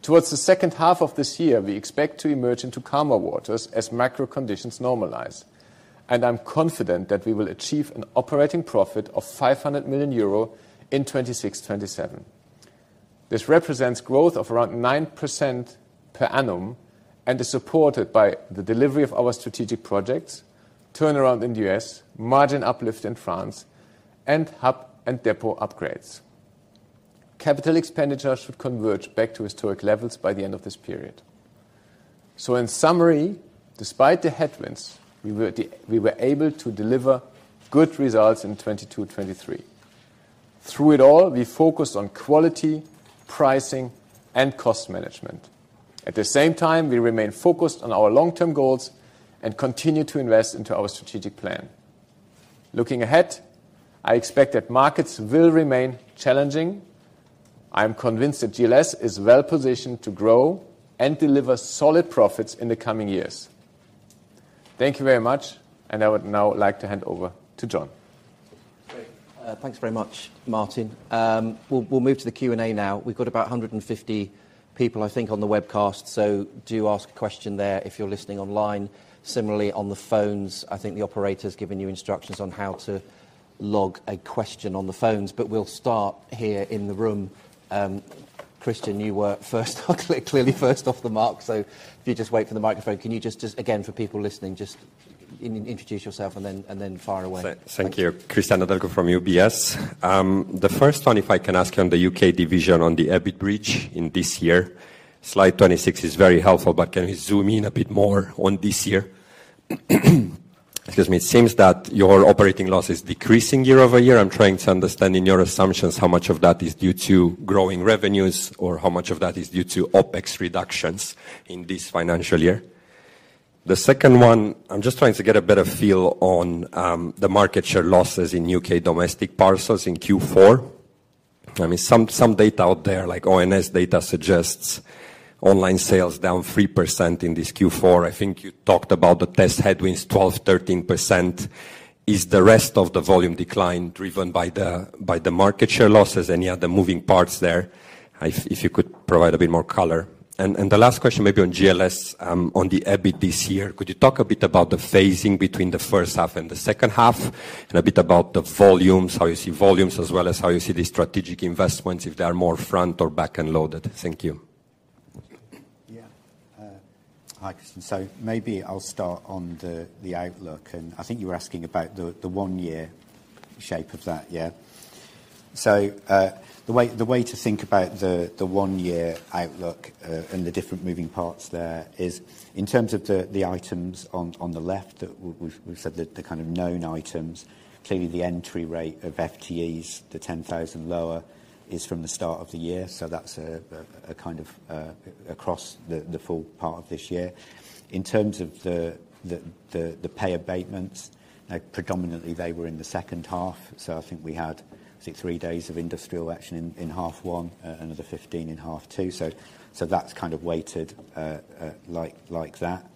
Towards the second half of this year, we expect to emerge into calmer waters as macro conditions normalize. I'm confident that we will achieve an operating profit of 500 million euro in 2026/2027. This represents growth of around 9% per annum and is supported by the delivery of our strategic projects, turnaround in U.S., margin uplift in France, and hub and depot upgrades. Capital expenditures should converge back to historic levels by the end of this period. In summary, despite the headwinds, we were able to deliver good results in 2022/2023. Through it all, we focused on quality, pricing, and cost management. At the same time, we remain focused on our long-term goals and continue to invest into our strategic plan. Looking ahead, I expect that markets will remain challenging. I am convinced that GLS is well positioned to grow and deliver solid profits in the coming years. Thank you very much, and I would now like to hand over to John. Great. Thanks very much, Martin. We'll move to the Q&A now. We've got about 150 people, I think, on the webcast. Do ask a question there if you're listening online. Similarly, on the phones, I think the operator's given you instructions on how to log a question on the phones. We'll start here in the room. Cristian, you were first clearly first off the mark. If you just wait for the microphone. Can you just again, for people listening, just introduce yourself and then fire away? Thank you. Cristian Nedelcu from UBS. The first one, if I can ask on the U.K. division on the EBIT bridge in this year. Slide 26 is very helpful, but can you zoom in a bit more on this year? Excuse me. It seems that your operating loss is decreasing year-over-year. I'm trying to understand in your assumptions how much of that is due to growing revenues or how much of that is due to OpEx reductions in this financial year. The second one, I'm just trying to get a better feel on the market share losses in U.K. domestic parcels in Q4. I mean, some data out there, like ONS data, suggests online sales down 3% in this Q4. I think you talked about the test headwinds 12%, 13%. Is the rest of the volume decline driven by the market share losses? Any other moving parts there? If you could provide a bit more color. The last question maybe on GLS, on the EBIT this year. Could you talk a bit about the phasing between the first half and the second half, and a bit about the volumes, how you see volumes, as well as how you see the strategic investments, if they are more front or back and loaded? Thank you. Yeah, hi, Cristian. Maybe I'll start on the outlook. I think you were asking about the one-year shape of that, yeah? The way to think about the one-year outlook, and the different moving parts there is in terms of the items on the left, we've said the kind of known items. Clearly the entry rate of FTEs, the 10,000 lower is from the start of the year. That's a kind of, across the full part of this year. In terms of the pay abatements, predominantly they were in the second half. I think we had, I think three days of industrial action in half one, another 15 in half two. That's kind of weighted, like that.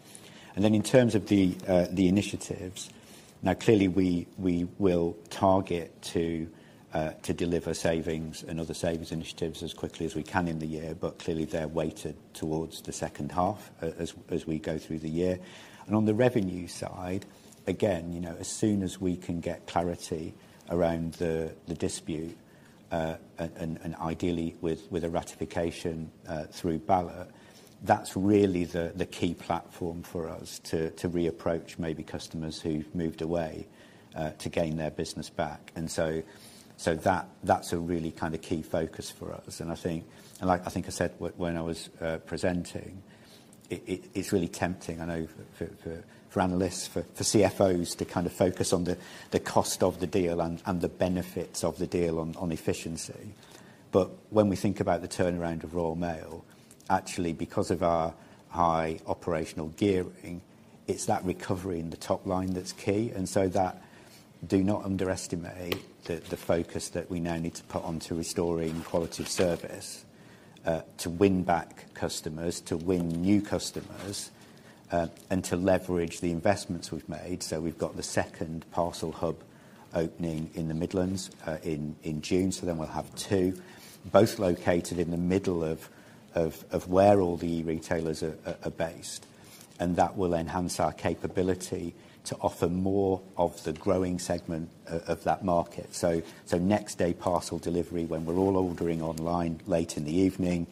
Then in terms of the initiatives, now, clearly we will target to deliver savings and other savings initiatives as quickly as we can in the year, but clearly they're weighted towards the second half as we go through the year. On the revenue side, again, you know, as soon as we can get clarity around the dispute, and ideally with a ratification, through ballot, that's really the key platform for us to reapproach maybe customers who've moved away, to gain their business back. So that's a really kind of key focus for us. I think like, I think I said when I was presenting. It's really tempting, I know, for analysts, for CFOs to kind of focus on the cost of the deal and the benefits of the deal on efficiency. When we think about the turnaround of Royal Mail, actually because of our high operational gearing, it's that recovery in the top line that's key. That do not underestimate the focus that we now need to put onto restoring quality of service to win back customers, to win new customers, and to leverage the investments we've made. We've got the second parcel hub opening in the Midlands in June. We'll have two, both located in the middle of where all the retailers are based. That will enhance our capability to offer more of the growing segment of that market. Next-day parcel delivery when we're all ordering online late in the evening,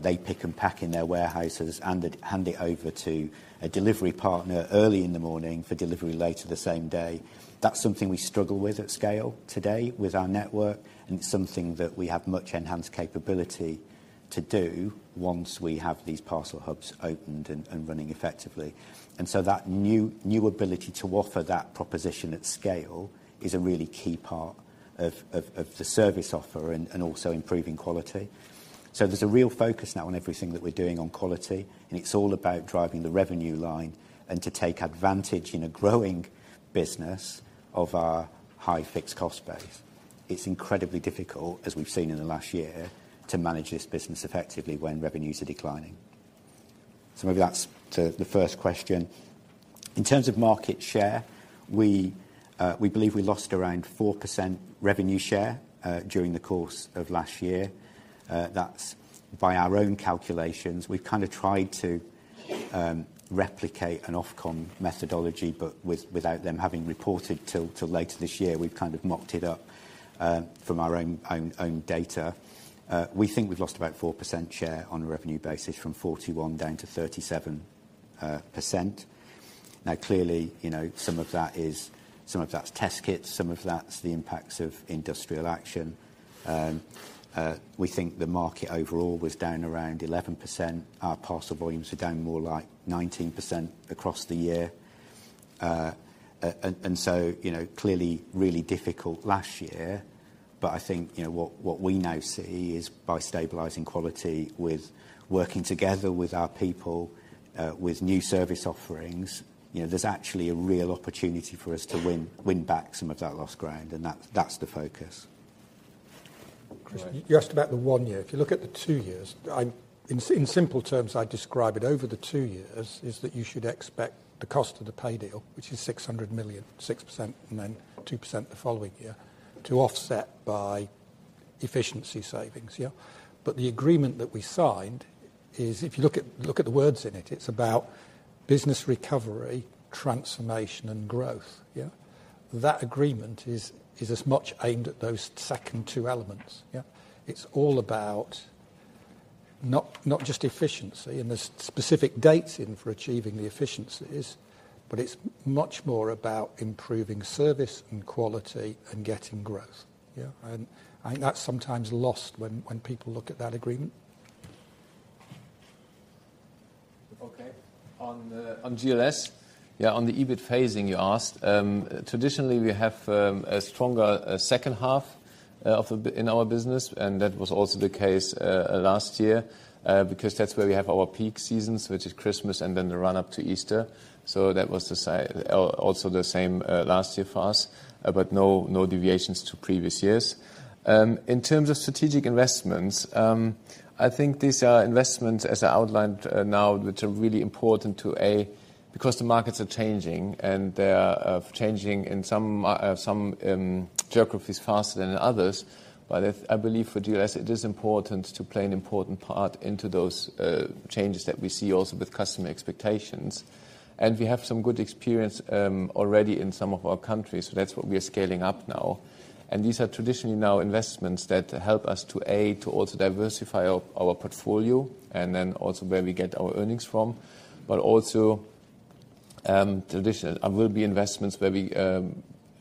they pick and pack in their warehouses and hand it over to a delivery partner early in the morning for delivery later the same day. That's something we struggle with at scale today with our network, and it's something that we have much enhanced capability to do once we have these parcel hubs opened and running effectively. That new ability to offer that proposition at scale is a really key part of the service offer and also improving quality. There's a real focus now on everything that we're doing on quality, and it's all about driving the revenue line and to take advantage in a growing business of our high fixed cost base. It's incredibly difficult, as we've seen in the last year, to manage this business effectively when revenues are declining. Maybe that's to the first question. In terms of market share, we believe we lost around 4% revenue share during the course of last year. That's by our own calculations. We've kind of tried to replicate an Ofcom methodology, but without them having reported till later this year. We've kind of mocked it up from our own data. We think we've lost about 4% share on a revenue basis from 41 down to 37%. Clearly, you know, some of that is, some of that's test kits, some of that's the impacts of industrial action. We think the market overall was down around 11%. Our parcel volumes are down more like 19% across the year. You know, clearly really difficult last year. I think, you know, what we now see is by stabilizing quality with working together with our people, with new service offerings, you know, there's actually a real opportunity for us to win back some of that lost ground, and that's the focus. Chris, you asked about the one year. If you look at the two years, in simple terms, I describe it over the two years is that you should expect the cost of the pay deal, which is 600 million, 6% and then 2% the following year, to offset by efficiency savings, yeah. The agreement that we signed is if you look at, look at the words in it's about business recovery, transformation and growth, yeah. That agreement is as much aimed at those second two elements, yeah. It's all about not just efficiency, and there's specific dates in for achieving the efficiencies, but it's much more about improving service and quality and getting growth, yeah. I think that's sometimes lost when people look at that agreement. On GLS, on the EBIT phasing you asked. Traditionally, we have a stronger second half in our business, and that was also the case last year, because that's where we have our peak seasons, which is Christmas and then the run-up to Easter. That was the same, also the same last year for us, but no deviations to previous years. In terms of strategic investments, I think these are investments as outlined now, which are really important to, A, because the markets are changing and they are changing in some geographies faster than others. I believe for GLS it is important to play an important part into those changes that we see also with customer expectations. We have some good experience already in some of our countries. That's what we are scaling up now. These are traditionally now investments that help us to, A, to also diversify our portfolio and then also where we get our earnings from. Also, traditional will be investments where we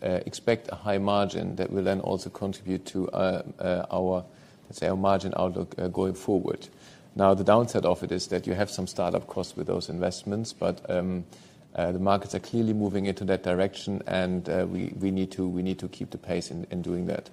expect a high margin that will then also contribute to our, let's say, our margin outlook going forward. The downside of it is that you have some start-up costs with those investments, the markets are clearly moving into that direction and we need to keep the pace in doing that.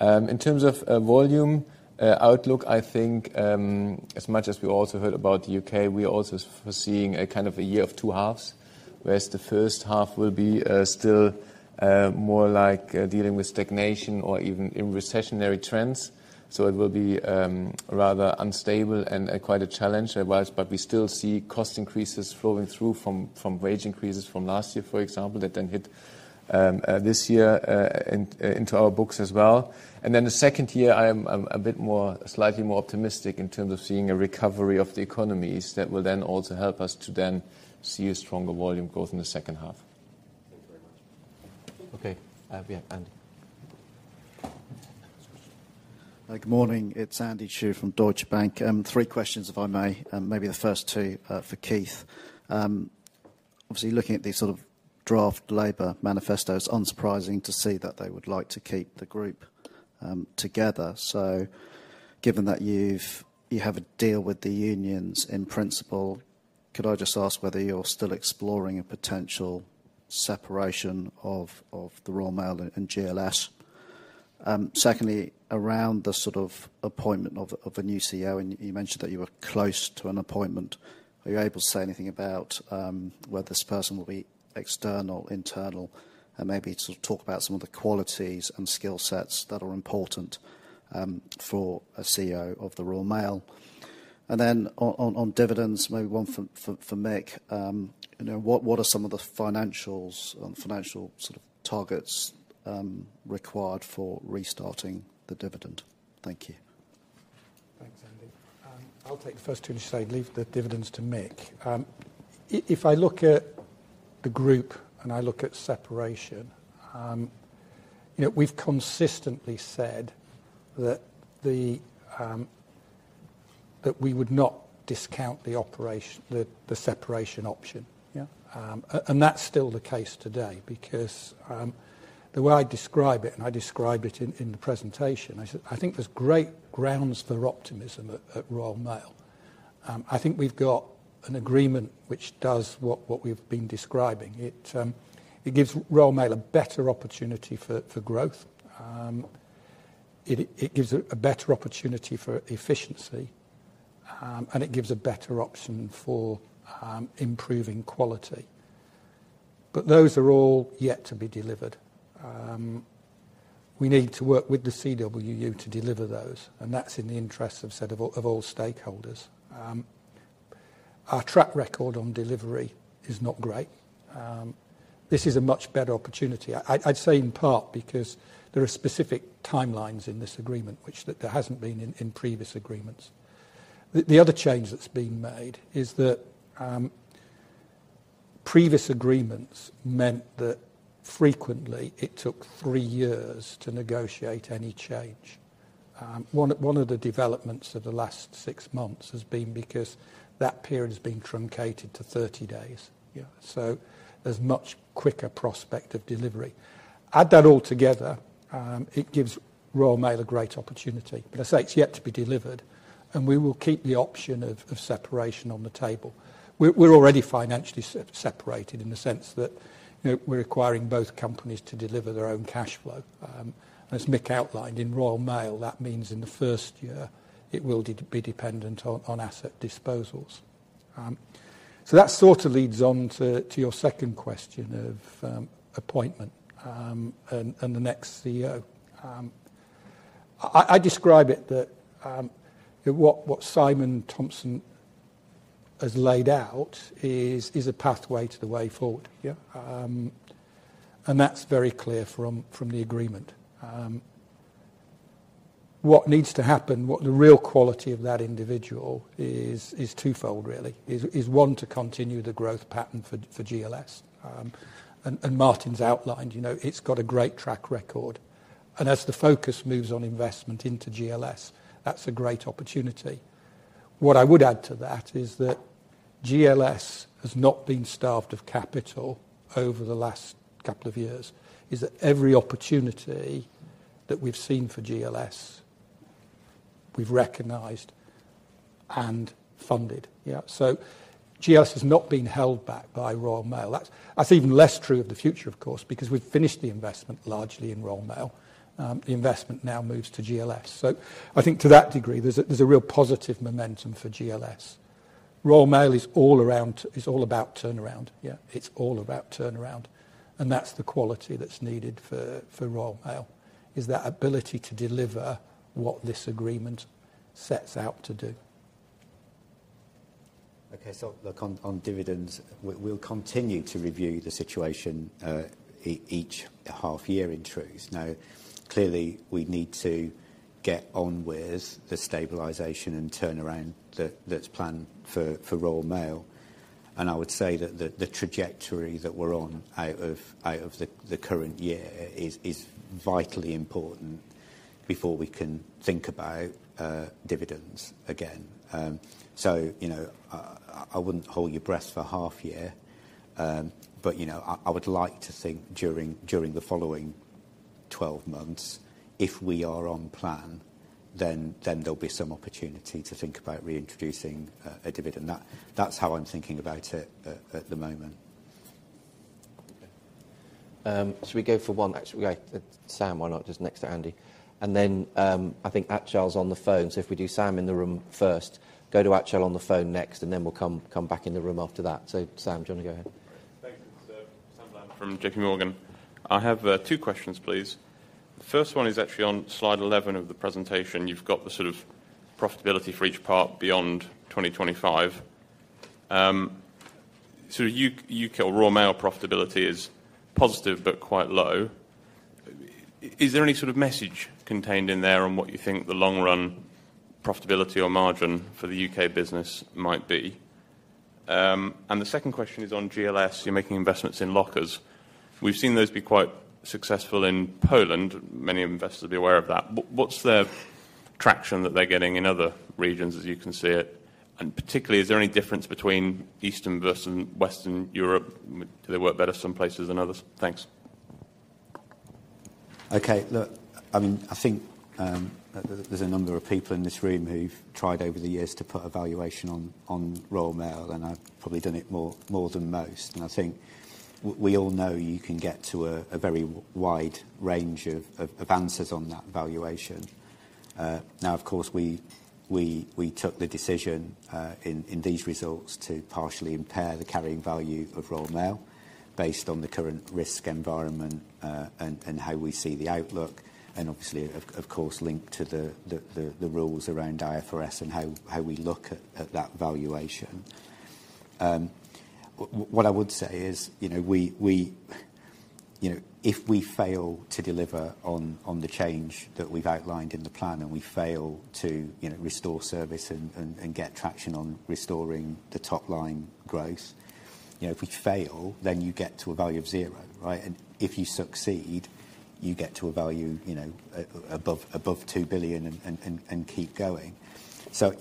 In terms of volume outlook, I think, as much as we also heard about the U.K., we're also foreseeing a kind of a year of two halves. Whereas the first half will be still more like dealing with stagnation or even in recessionary trends. It will be rather unstable and quite a challenge otherwise, but we still see cost increases flowing through from wage increases from last year, for example, that then hit this year into our books as well. The second year, I am a bit more, slightly more optimistic in terms of seeing a recovery of the economies that will then also help us to then see a stronger volume growth in the second half. Okay, I have here Andy. Good morning. It's Andy Chu from Deutsche Bank. Three questions, if I may. Maybe the first two are for Keith. Obviously looking at these sort of draft Labour manifestos, unsurprising to see that they would like to keep the group together. Given that you have a deal with the unions, in principle, could I just ask whether you're still exploring a potential separation of the Royal Mail and GLS? Secondly, around the sort of appointment of a new CEO, and you mentioned that you were close to an appointment, are you able to say anything about whether this person will be external, internal, and maybe sort of talk about some of the qualities and skill sets that are important for a CEO of the Royal Mail? On dividends, maybe one for Mick. You know, what are some of the financials and financial sort of targets required for restarting the dividend? Thank you. Thanks, Andy. I'll take the first two and leave the dividends to Mick. If I look at the group, and I look at separation, you know, we've consistently said that we would not discount the separation option, yeah? And that's still the case today because the way I describe it, and I describe it in the presentation, I said, I think there's great grounds for optimism at Royal Mail. I think we've got an agreement which does what we've been describing it. It gives Royal Mail a better opportunity for growth. It gives a better opportunity for efficiency, and it gives a better option for improving quality. Those are all yet to be delivered. We need to work with the CWU to deliver those. That's in the interest of said of all stakeholders. Our track record on delivery is not great. This is a much better opportunity. I'd say in part because there are specific timelines in this agreement, which that there hasn't been in previous agreements. The other change that's been made is that previous agreements meant that frequently it took three years to negotiate any change. One of the developments of the last six months has been because that period has been truncated to 30 days. There's much quicker prospect of delivery. Add that all together, it gives Royal Mail a great opportunity. As I say, it's yet to be delivered, and we will keep the option of separation on the table. We're already financially separated in the sense that, you know, we're requiring both companies to deliver their own cash flow. As Mick outlined, in Royal Mail, that means in the first year it will be dependent on asset disposals. That sort of leads on to your second question of appointment and the next CEO. I describe it that what Simon Thompson has laid out is a pathway to the way forward, yeah? And that's very clear from the agreement. What needs to happen, what the real quality of that individual is twofold really. Is one, to continue the growth pattern for GLS. And Martin's outlined, you know, it's got a great track record. And as the focus moves on investment into GLS, that's a great opportunity. What I would add to that is that GLS has not been starved of capital over the last couple of years, is that every opportunity that we've seen for GLS, we've recognized and funded, yeah. GLS has not been held back by Royal Mail. That's even less true of the future of course, because we've finished the investment largely in Royal Mail. The investment now moves to GLS. I think to that degree, there's a real positive momentum for GLS. Royal Mail is all about turnaround, yeah. It's all about turnaround. That's the quality that's needed for Royal Mail, is that ability to deliver what this agreement sets out to do. Okay. Look, on dividends, we'll continue to review the situation, each half year, in truth. Clearly, we need to get on with the stabilization and turnaround that's planned for Royal Mail. I would say that the trajectory that we're on out of the current year is vitally important before we can think about dividends again. You know, I wouldn't hold your breath for half year. You know, I would like to think during the following 12 months, if we are on plan, then there'll be some opportunity to think about reintroducing a dividend. That's how I'm thinking about it at the moment. shall we go for Actually, yeah, Sam, why not just next to Andy. Then, I think Achal's on the phone. If we do Sam in the room first, go to Achal on the phone next, then we'll come back in the room after that. Sam, do you wanna go ahead? Thanks. It's Sam Bland from JPMorgan. I have two questions, please. The first one is actually on slide 11 of the presentation. You've got the sort of profitability for each part beyond 2025. U.K. or Royal Mail profitability is positive but quite low. Is there any sort of message contained in there on what you think the long run profitability or margin for the U.K. business might be? The second question is on GLS. You're making investments in lockers. We've seen those be quite successful in Poland. Many investors will be aware of that. What's the traction that they're getting in other regions as you can see it? Particularly, is there any difference between Eastern versus Western Europe? Do they work better in some places than others? Thanks. Okay. Look, I mean, I think, there's a number of people in this room who've tried over the years to put a valuation on Royal Mail, and I've probably done it more than most. I think we all know you can get to a very wide range of advances on that valuation. now, of course, we took the decision in these results to partially impair the carrying value of Royal Mail based on the current risk environment, and how we see the outlook, and obviously, of course, linked to the rules around IFRS and how we look at that valuation. what I would say is, you know, we... You know, if we fail to deliver on the change that we've outlined in the plan and we fail to, you know, restore service and get traction on restoring the top line growth, you know, if we fail, then you get to a value of zero, right? If you succeed, you get to a value, you know, above 2 billion and keep going.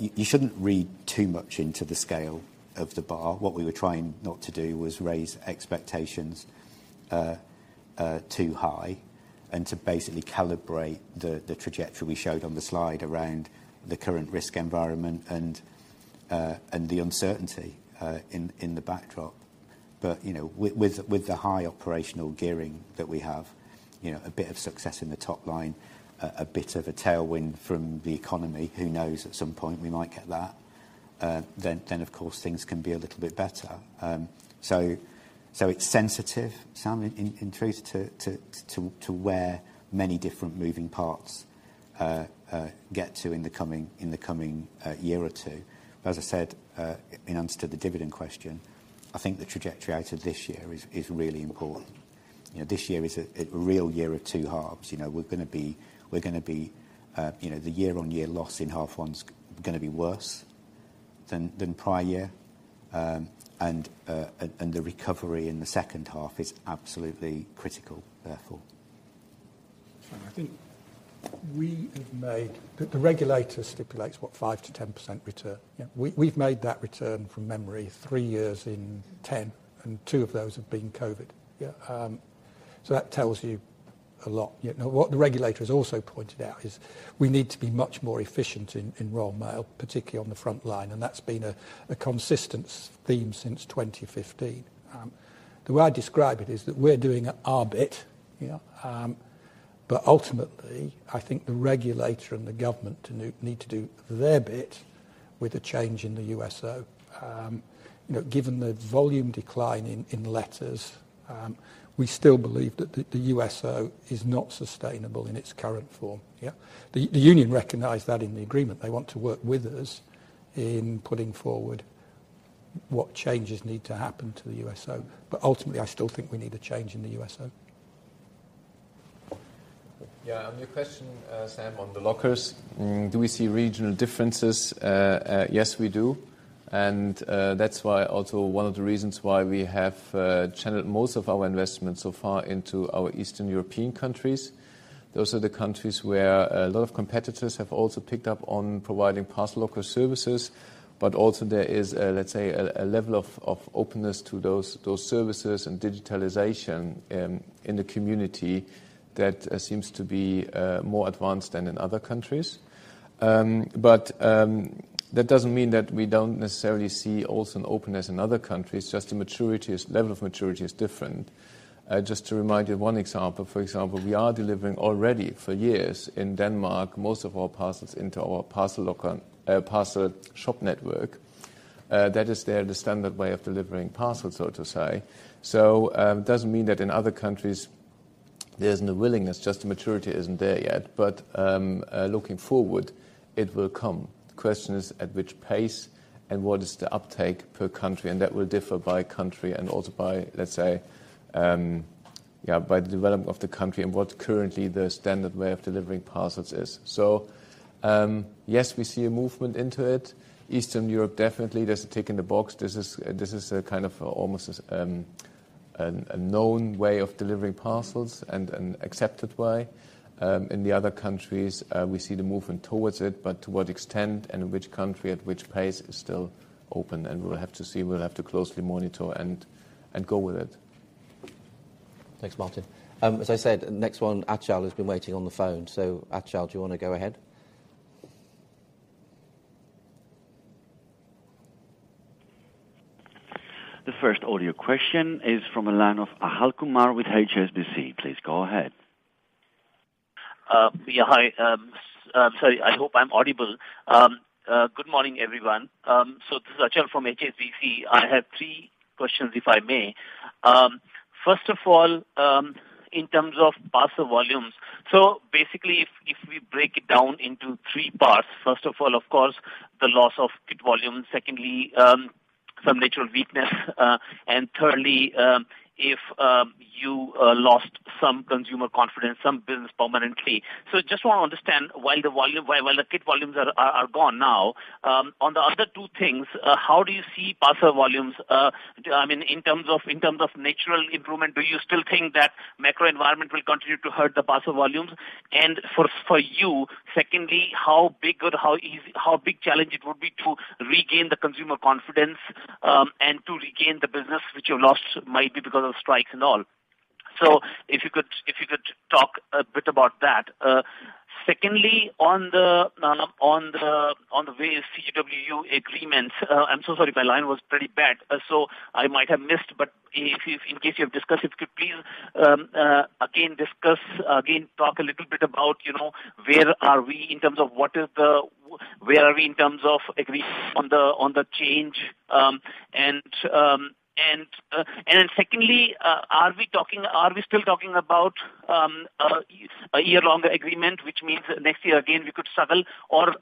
You, you shouldn't read too much into the scale of the bar. What we were trying not to do was raise expectations, too high and to basically calibrate the trajectory we showed on the slide around the current risk environment and the uncertainty in the backdrop. You know, with the high operational gearing that we have, you know, a bit of success in the top line, a bit of a tailwind from the economy, who knows, at some point we might get that, then, of course, things can be a little bit better. So it's sensitive, Sam, in truth to where many different moving parts get to in the coming year or two. As I said, in answer to the dividend question, I think the trajectory out of this year is really important. You know, this year is a real year of two halves. You know, we're gonna be, you know, the year-on-year loss in half 1's gonna be worse than prior year. The recovery in the second half is absolutely critical, therefore. I think we have made. The regulator stipulates what? 5%-10% return. Yeah. We've made that return from memory three years in 10, and two of those have been COVID. Yeah. That tells you a lot. You know, what the regulator has also pointed out is we need to be much more efficient in Royal Mail, particularly on the front line, and that's been a consistent theme since 2015. The way I describe it is that we're doing our bit, you know. Ultimately, I think the regulator and the government need to do their bit with a change in the USO. You know, given the volume decline in letters, we still believe that the USO is not sustainable in its current form. Yeah. The union recognized that in the agreement. They want to work with us in putting forward what changes need to happen to the USO. Ultimately, I still think we need a change in the USO. Yeah. On your question, Sam, on the lockers, do we see regional differences? Yes, we do. That's why also one of the reasons why we have channeled most of our investments so far into our Eastern European countries. Those are the countries where a lot of competitors have also picked up on providing parcel locker services, but also there is, let's say, a level of openness to those services and digitalization in the community that seems to be more advanced than in other countries. That doesn't mean that we don't necessarily see also an openness in other countries, just the maturity level of maturity is different. Just to remind you of one example, for example, we are delivering already for years in Denmark, most of our parcels into our parcel locker, parcel shop network. That is their standard way of delivering parcels, so to say. It doesn't mean that in other countries there's no willingness, just the maturity isn't there yet. Looking forward, it will come. The question is at which pace and what is the uptake per country, and that will differ by country and also by, let's say, by the development of the country and what currently the standard way of delivering parcels is. Yes, we see a movement into it. Eastern Europe, definitely. That's a tick in the box. This is a kind of almost a known way of delivering parcels and an accepted way. In the other countries, we see the movement towards it, but to what extent and in which country at which pace is still open, and we'll have to see. We'll have to closely monitor and go with it. Thanks, Martin. As I said, next one, Achal has been waiting on the phone. Achal, do you wanna go ahead? The first audio question is from a line of Achal Kumar with HSBC. Please go ahead. Yeah, hi. Sorry, I hope I'm audible. Good morning, everyone. This is Achal from HSBC. I have three questions, if I may. First of all, in terms of parcel volumes, basically if we break it down into three parts, first of all, of course, the loss of good volume, secondly, some natural weakness, thirdly, if you lost. Some consumer confidence, some business permanently. Just wanna understand while the volume, while the kit volumes are gone now, on the other two things, how do you see parcel volumes? I mean, in terms of natural improvement, do you still think that macro environment will continue to hurt the parcel volumes? For you, secondly, how big challenge it would be to regain the consumer confidence and to regain the business which you lost maybe because of strikes and all. If you could talk a bit about that. Secondly, on the way CWU agreements. I'm so sorry, my line was pretty bad, so I might have missed. If, in case you have discussed, if you could please, again discuss, again, talk a little bit about, you know, where are we in terms of what is the where are we in terms of agreement on the change? Secondly, are we talking, are we still talking about a year-long agreement, which means next year again, we could struggle? Are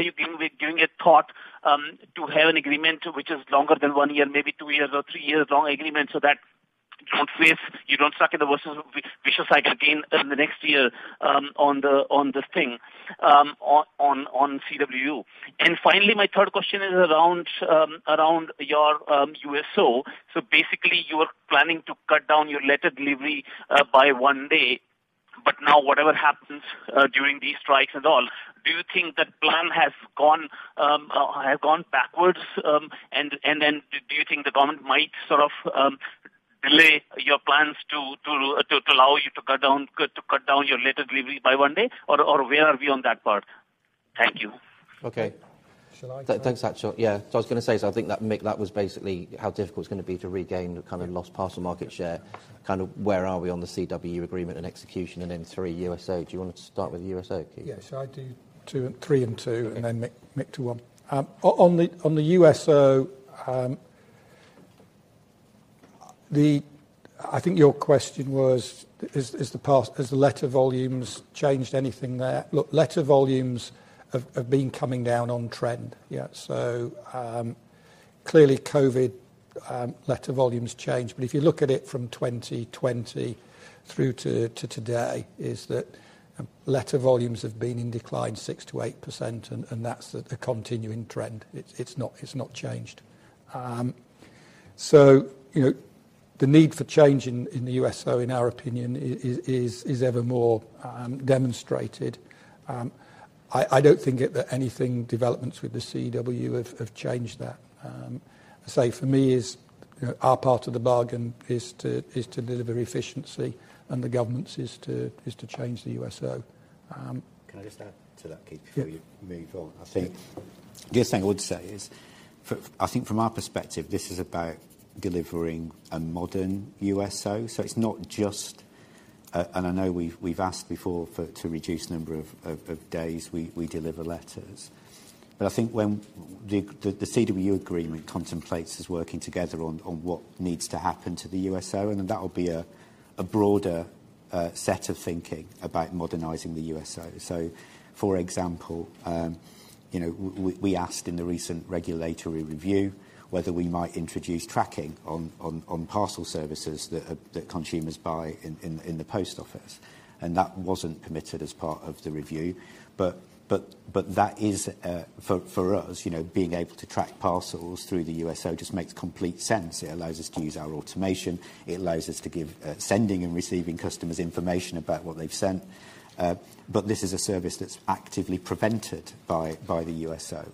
you giving it thought to have an agreement which is longer than one year, maybe two years or three years long agreement so that you don't face, you don't stuck in the vicious cycle again in the next year, on this thing, on CWU? Finally, my third question is around your USO? Basically, you are planning to cut down your letter delivery by one day. Whatever happens during these strikes and all, do you think the plan has gone backwards? Do you think the government might sort of delay your plans to allow you to cut down your letter delivery by one day? Where are we on that part? Thank you. Okay. Shall I go? Thanks, Achal. Yeah. I was gonna say, so I think that, Mick, that was basically how difficult it's gonna be to regain the kind of lost parcel market share, kind of where are we on the CWU agreement and execution and then three, USO. Do you wanna start with USO, Keith? Yes, I do three and two, and then Mick to one. On the USO, I think your question was, has the letter volumes changed anything there? Look, letter volumes have been coming down on trend. Yeah. Clearly COVID letter volumes changed. If you look at it from 2020 through to today, letter volumes have been in decline 6%-8%, and that's a continuing trend. It's not changed. You know, the need for change in the USO, in our opinion, is ever more demonstrated. I don't think anything developments with the CW have changed that. Say for me is, you know, our part of the bargain is to deliver efficiency and the governance is to change the USO. Can I just add to that, Keith- Yeah ...before you move on? I think the other thing I would say is I think from our perspective, this is about delivering a modern USO. It's not just. I know we've asked before to reduce number of days we deliver letters. I think when the CWU agreement contemplates is working together on what needs to happen to the USO, and that will be a broader set of thinking about modernizing the USO. For example, you know, we asked in the recent regulatory review whether we might introduce tracking on parcel services that consumers buy in the post office. That wasn't permitted as part of the review. That is for us, you know, being able to track parcels through the USO just makes complete sense. It allows us to use our automation. It allows us to give sending and receiving customers information about what they've sent. This is a service that's actively prevented by the USO.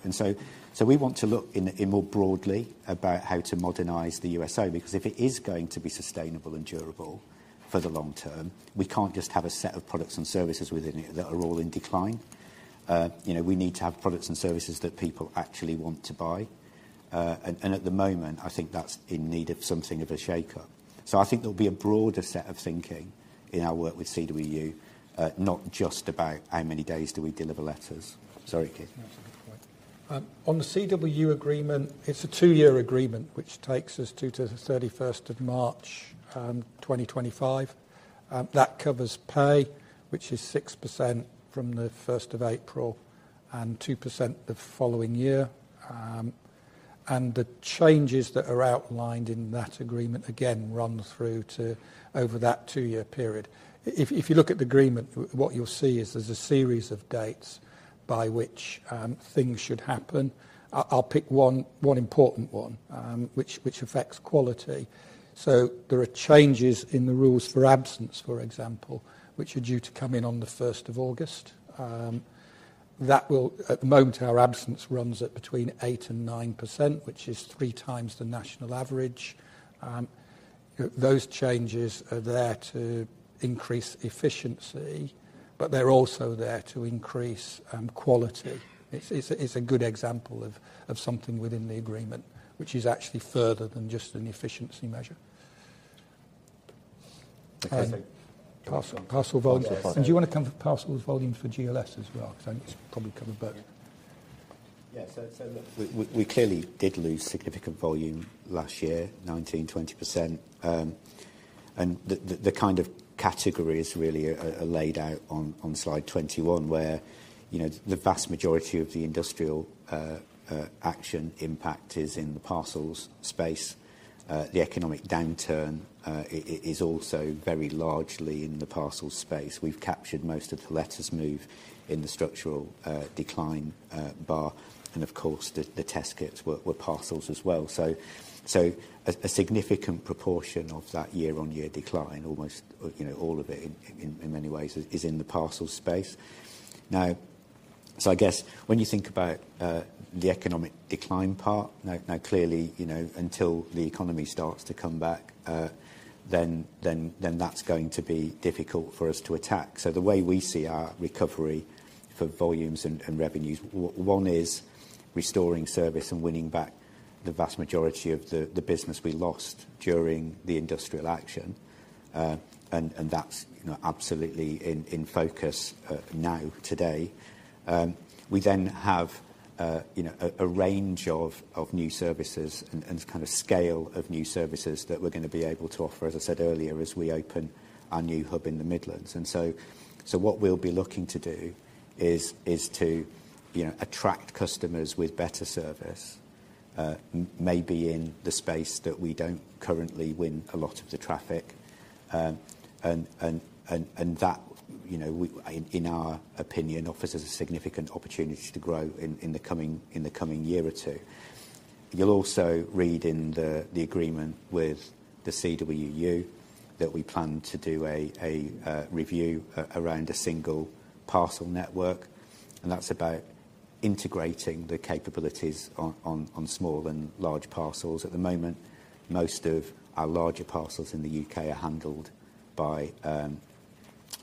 We want to look in more broadly about how to modernize the USO, because if it is going to be sustainable and durable for the long term, we can't just have a set of products and services within it that are all in decline. You know, we need to have products and services that people actually want to buy. At the moment, I think that's in need of something of a shake-up. I think there'll be a broader set of thinking in our work with CWU, not just about how many days do we deliver letters. Sorry, Keith. No, that's quite all right. On the CW agreement, it's a two-year agreement, which takes us to the 31st of March, 2025. That covers pay, which is 6% from the 1st of April and 2% the following year. The changes that are outlined in that agreement, again, run through to over that two-year period. If you look at the agreement, what you'll see is there's a series of dates by which things should happen. I'll pick one important one, which affects quality. There are changes in the rules for absence, for example, which are due to come in on the 1st of August. At the moment, our absence runs at between 8% and 9%, which is 3x the national average. Those changes are there to increase efficiency, but they're also there to increase quality. It's a good example of something within the agreement which is actually further than just an efficiency measure. Okay. Parcel volume. Parcel volume. Do you wanna cover parcels volume for GLS as well? Because I think it's probably covered both. Look, we clearly did lose significant volume last year, 19%, 20%. The kind of categories really are laid out on slide 21, where, you know, the vast majority of the industrial action impact is in the parcels space. The economic downturn is also very largely in the parcel space. We've captured most of the letters move in the structural decline bar, and of course the test kits were parcels as well. A significant proportion of that year-on-year decline, almost, you know, all of it in many ways is in the parcel space. I guess when you think about, the economic decline part, now clearly, you know, until the economy starts to come back, then that's going to be difficult for us to attack. The way we see our recovery for volumes and revenues, one is restoring service and winning back the vast majority of the business we lost during the industrial action. That's, you know, absolutely in focus, now today. We then have, you know, a range of new services and kind of scale of new services that we're gonna be able to offer, as I said earlier, as we open our new hub in the Midlands. What we'll be looking to do is to, you know, attract customers with better service, maybe in the space that we don't currently win a lot of the traffic. That, you know, in our opinion, offers a significant opportunity to grow in the coming year or two. You'll also read in the agreement with the CWU that we plan to do a review around a single parcel network, and that's about integrating the capabilities on small and large parcels. At the moment, most of our larger parcels in the U.K. are handled by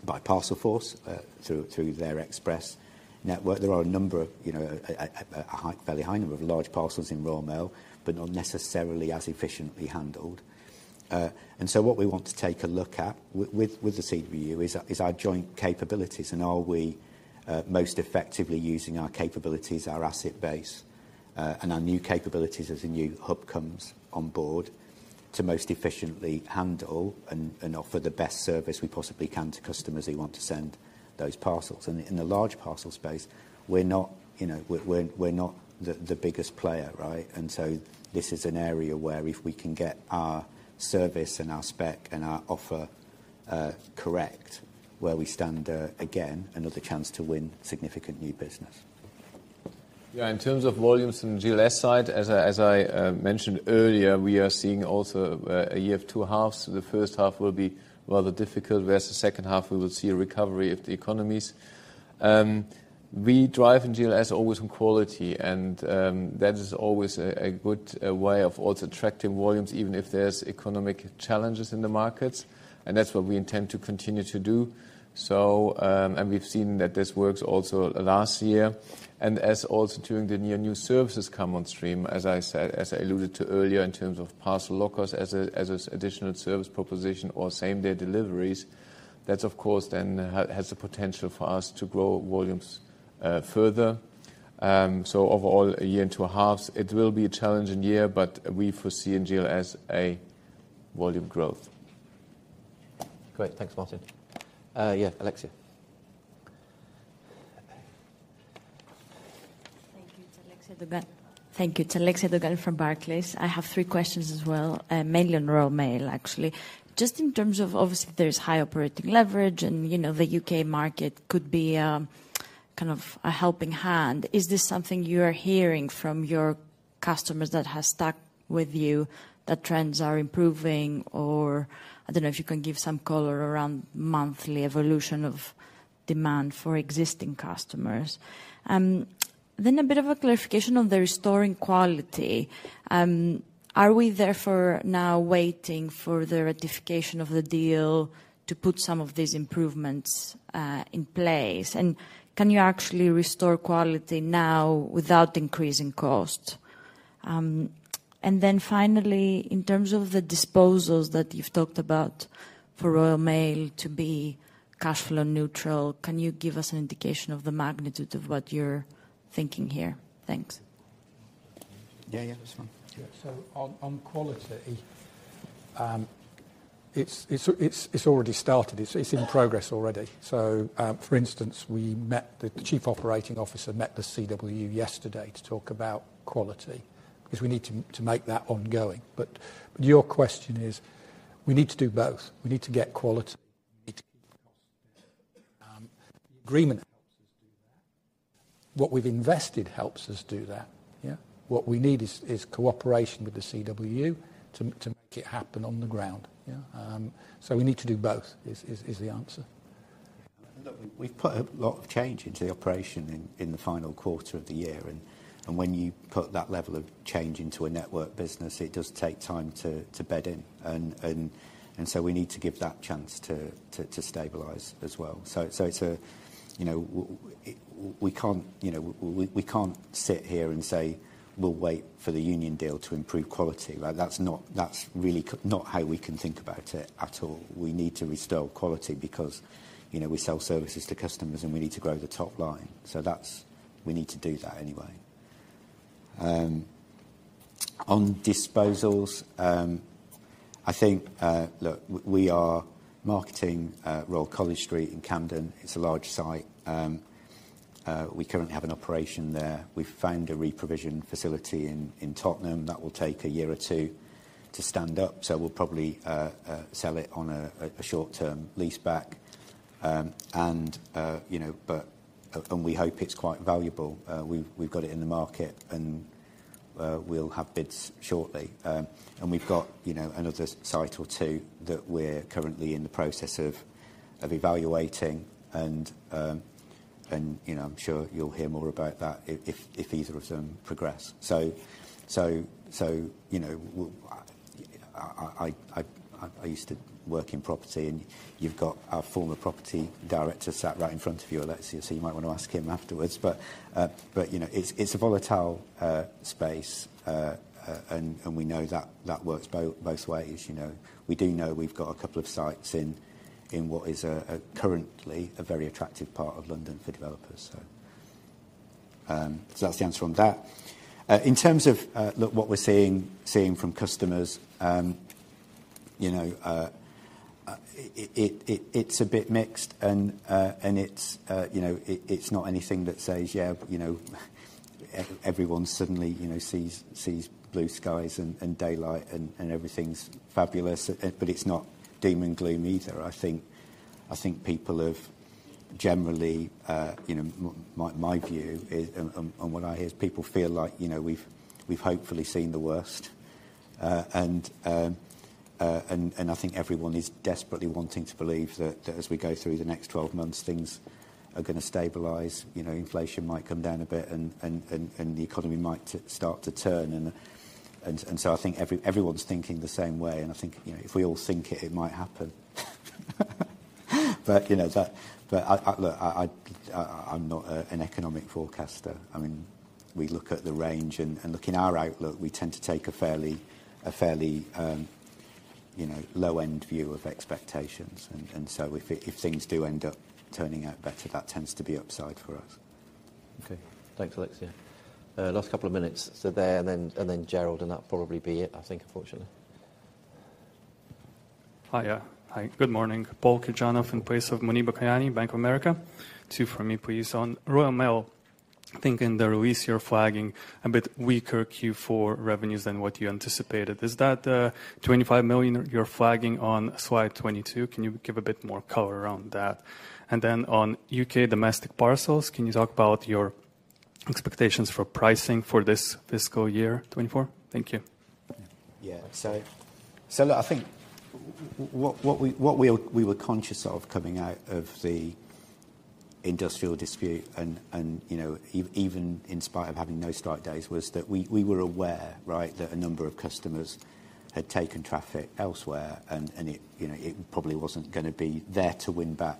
Parcelforce Worldwide through their express network. There are a number of, you know, a high, fairly high number of large parcels in Royal Mail, but not necessarily as efficiently handled. What we want to take a look at with the CWU is our joint capabilities and are we most effectively using our capabilities, our asset base and our new capabilities as a new hub comes on board to most efficiently handle and offer the best service we possibly can to customers who want to send those parcels. In the large parcel space, we're not, you know, we're not the biggest player, right? This is an area where if we can get our service and our spec and our offer correct, where we stand again, another chance to win significant new business. Yeah, in terms of volumes from GLS side, as I mentioned earlier, we are seeing also a year of two halves. The first half will be rather difficult, whereas the second half we will see a recovery of the economies. We drive in GLS always in quality and that is always a good way of also attracting volumes, even if there's economic challenges in the markets, and that's what we intend to continue to do. We've seen that this works also last year. As also during the near new services come on stream, as I said, alluded to earlier, in terms of parcel lockers as a additional service proposition or same-day deliveries. That of course then has the potential for us to grow volumes further. Overall a year and two halves, it will be a challenging year, but we foresee in GLS a volume growth. Great. Thanks, Martin. Yeah, Alexia. Thank you. It's Alexia Dogani. Thank you. It's Alexia Dogani from Barclays. I have three questions as well, mainly on Royal Mail, actually. Just in terms of obviously there's high operating leverage and, you know, the U.K. market could be, kind of a helping hand. Is this something you are hearing from your customers that have stuck with you, that trends are improving? I don't know if you can give some color around monthly evolution of demand for existing customers. A bit of a clarification on the restoring quality. Are we therefore now waiting for the ratification of the deal to put some of these improvements in place? Can you actually restore quality now without increasing cost? Finally, in terms of the disposals that you've talked about for Royal Mail to be cash flow neutral, can you give us an indication of the magnitude of what you're thinking here? Thanks. Yeah, yeah, that's fine. On quality, it's already started. It's in progress already. For instance, we met the chief operating officer, met the CW yesterday to talk about quality because we need to make that ongoing. Your question is we need to do both. We need to get quality. We need to keep costs down. The agreement helps us do that. What we've invested helps us do that. What we need is cooperation with the CW to make it happen on the ground. We need to do both is the answer. Look, we've put a lot of change into the operation in the final quarter of the year. When you put that level of change into a network business, it does take time to bed in. So we need to give that chance to stabilize as well. So to, you know, we can't, you know, we can't sit here and say, "We'll wait for the union deal to improve quality." Like, that's not, that's really not how we can think about it at all. We need to restore quality because, you know, we sell services to customers, and we need to grow the top line. That's, we need to do that anyway. On disposals, I think, look, we are marketing Royal College Street in Camden. It's a large site. We currently have an operation there. We found a reprovision facility in Tottenham that will take a year or two to stand up, so we'll probably sell it on a short-term leaseback. You know, we hope it's quite valuable. We've got it in the market, and we'll have bids shortly. We've got, you know, another site or two that we're currently in the process of evaluating and, you know, I'm sure you'll hear more about that if either of them progress. You know, I used to work in property, and you've got our former property director sat right in front of you, Alex, so you might wanna ask him afterwards. You know, it's a volatile space. We know that that works both ways, you know. We do know we've got a couple of sites in what is a currently a very attractive part of London for developers so. That's the answer on that. In terms of, look, what we're seeing from customers, you know, it's a bit mixed and it's, you know, it's not anything that says, yeah, you know, everyone suddenly, you know, sees blue skies and daylight and everything's fabulous, but it's not doom and gloom either. I think people have generally, you know, my view is and what I hear is people feel like, you know, we've hopefully seen the worst. I think everyone is desperately wanting to believe that as we go through the next 12 months, things are gonna stabilize. You know, inflation might come down a bit and the economy might start to turn. So I think everyone's thinking the same way, and I think, you know, if we all think it might happen. You know, I look, I'm not an economic forecaster. I mean, we look at the range and look, in our outlook, we tend to take a fairly, you know, low-end view of expectations. So if things do end up turning out better, that tends to be upside for us. Okay. Thanks, Alex. Yeah. Last couple of minutes. There and then, and then Gerald, and that'll probably be it, I think, unfortunately. Hiya. Hi. Good morning. Paul Kirjanovs in place of Muneeba Kayani, Bank of America. Two from me, please. On Royal Mail, I think in the release you're flagging a bit weaker Q4 revenues than what you anticipated. Is that 25 million you're flagging on slide 22? Can you give a bit more color around that? On U.K. domestic parcels, can you talk about your expectations for pricing for this fiscal year 2024? Thank you. Look, I think what we were conscious of coming out of the industrial dispute and you know, even in spite of having no strike days, was that we were aware, right, that a number of customers had taken traffic elsewhere, and it, you know, it probably wasn't gonna be there to win back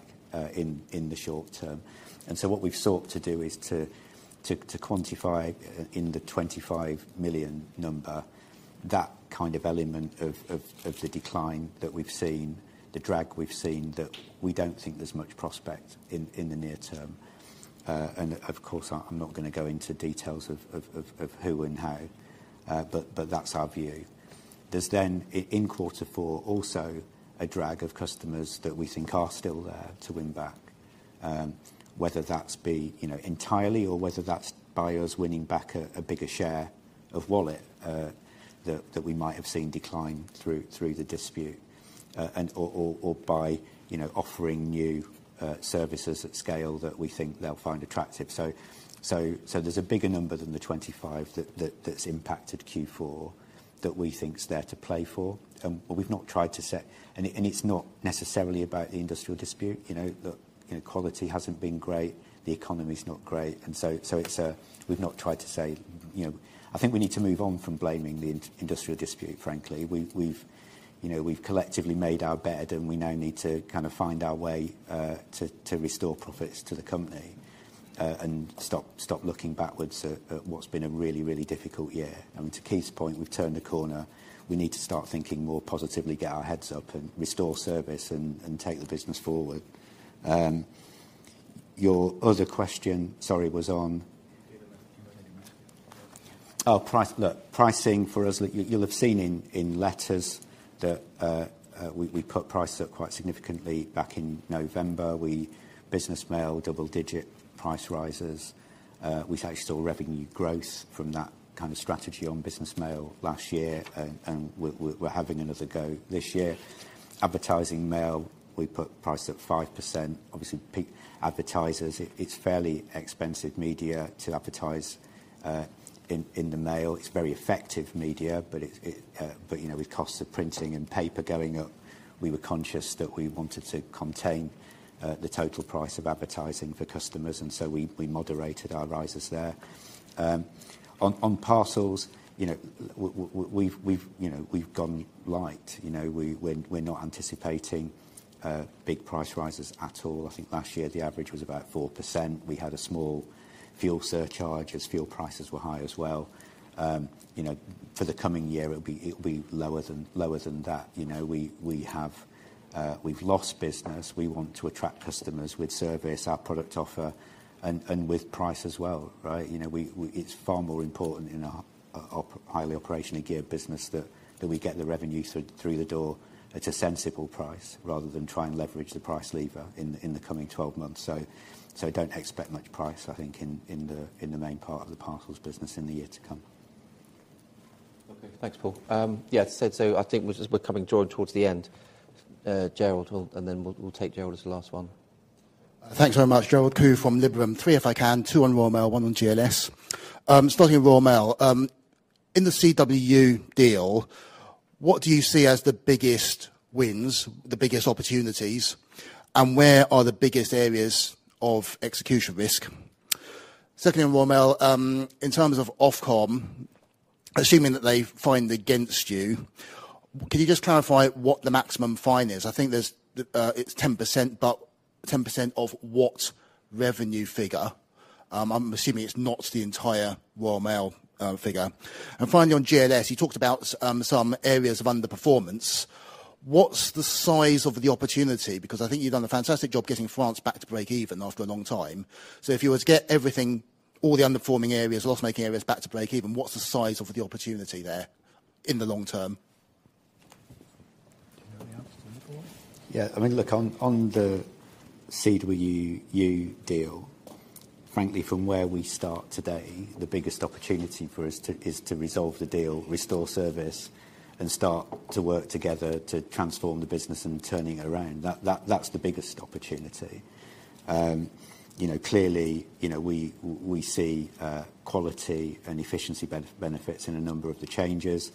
in the short term. What we've sought to do is to quantify in the 25 million number that kind of element of the decline that we've seen, the drag we've seen that we don't think there's much prospect in the near term. Of course, I'm not gonna go into details of who and how, but that's our view. There's then in quarter four also a drag of customers that we think are still there to win back, whether that's be, you know, entirely or whether that's by us winning back a bigger share of wallet, that we might have seen decline through the dispute, and or by, you know, offering new services at scale that we think they'll find attractive. There's a bigger number than the 25 that's impacted Q4 that we think is there to play for. We've not tried to. It's not necessarily about the industrial dispute, you know. Look, you know, quality hasn't been great. The economy's not great. We've not tried to say, you know. I think we need to move on from blaming the industrial dispute, frankly. We've, you know, we've collectively made our bed. We now need to kind of find our way to restore profits to the company. Stop looking backwards at what's been a really, really difficult year. I mean, to Keith's point, we've turned a corner. We need to start thinking more positively, get our heads up and restore service and take the business forward. Your other question, sorry, was on- Price. Pricing for us, you'll have seen in letters that we put prices up quite significantly back in November. Business mail, double-digit price rises. We've actually saw revenue growth from that kind of strategy on business mail last year and we're having another go this year. Advertising mail, we put price up 5%. Obviously, peak advertisers, it's fairly expensive media to advertise in the mail. It's very effective media, but it, but you know, with costs of printing and paper going up, we were conscious that we wanted to contain the total price of advertising for customers, and so we moderated our rises there. On parcels, you know, we've, you know, we're not anticipating big price rises at all. I think last year the average was about 4%. We had a small fuel surcharge as fuel prices were high as well. You know, for the coming year, it'll be lower than that. You know, we have, we've lost business. We want to attract customers with service, our product offer, and with price as well, right? You know, we, it's far more important in our highly operationally geared business that we get the revenue through the door at a sensible price, rather than try and leverage the price lever in the coming 12 months. Don't expect much price, I think in the main part of the parcels business in the year to come. Thanks, Paul. Yeah, I think we're just, we're coming towards the end. Then we'll take Gerald as the last one. Thanks very much. Gerald Khoo from Liberum. three if I can, two on Royal Mail, one on GLS. Starting with Royal Mail. In the CWU deal, what do you see as the biggest wins, the biggest opportunities, and where are the biggest areas of execution risk? Secondly on Royal Mail, in terms of Ofcom, assuming that they find against you, can you just clarify what the maximum fine is? I think there's, it's 10%, but 10% of what revenue figure? I'm assuming it's not the entire Royal Mail figure. Finally, on GLS, you talked about some areas of underperformance. What's the size of the opportunity? Because I think you've done a fantastic job getting France back to breakeven after a long time. If you were to get everything, all the underperforming areas or loss-making areas back to breakeven, what's the size of the opportunity there in the long term? Yeah. I mean, look, on the CWU deal, frankly, from where we start today, the biggest opportunity for us is to resolve the deal, restore service, and start to work together to transform the business and turning it around. That's the biggest opportunity. you know, clearly, you know, we see quality and efficiency benefits in a number of the changes.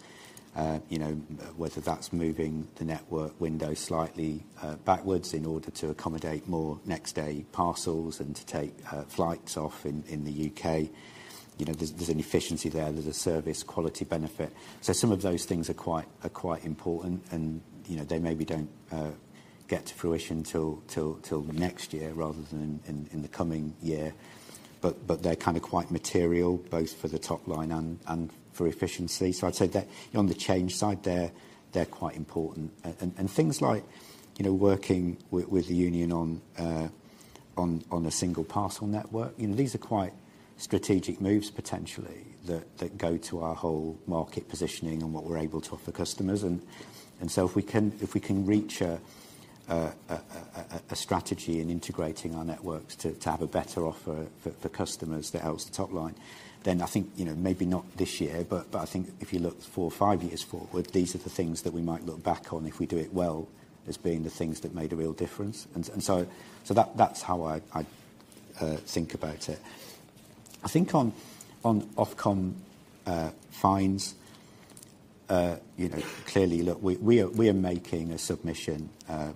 you know, whether that's moving the network window slightly backwards in order to accommodate more next day parcels and to take flights off in the U.K. you know, there's an efficiency there's a service quality benefit. some of those things are quite important and, you know, they maybe don't get to fruition till next year rather than in the coming year. They're kind of quite material both for the top line and for efficiency. I'd say that on the change side, they're quite important. Things like, you know, working with the union on a single parcel network, you know, these are quite strategic moves potentially that go to our whole market positioning and what we're able to offer customers. If we can reach a strategy in integrating our networks to have a better offer for customers that helps the top line, then I think, you know, maybe not this year, but I think if you look four or five years forward, these are the things that we might look back on if we do it well as being the things that made a real difference. That's how I think about it. I think on Ofcom fines, you know, clearly, look, we are making a submission,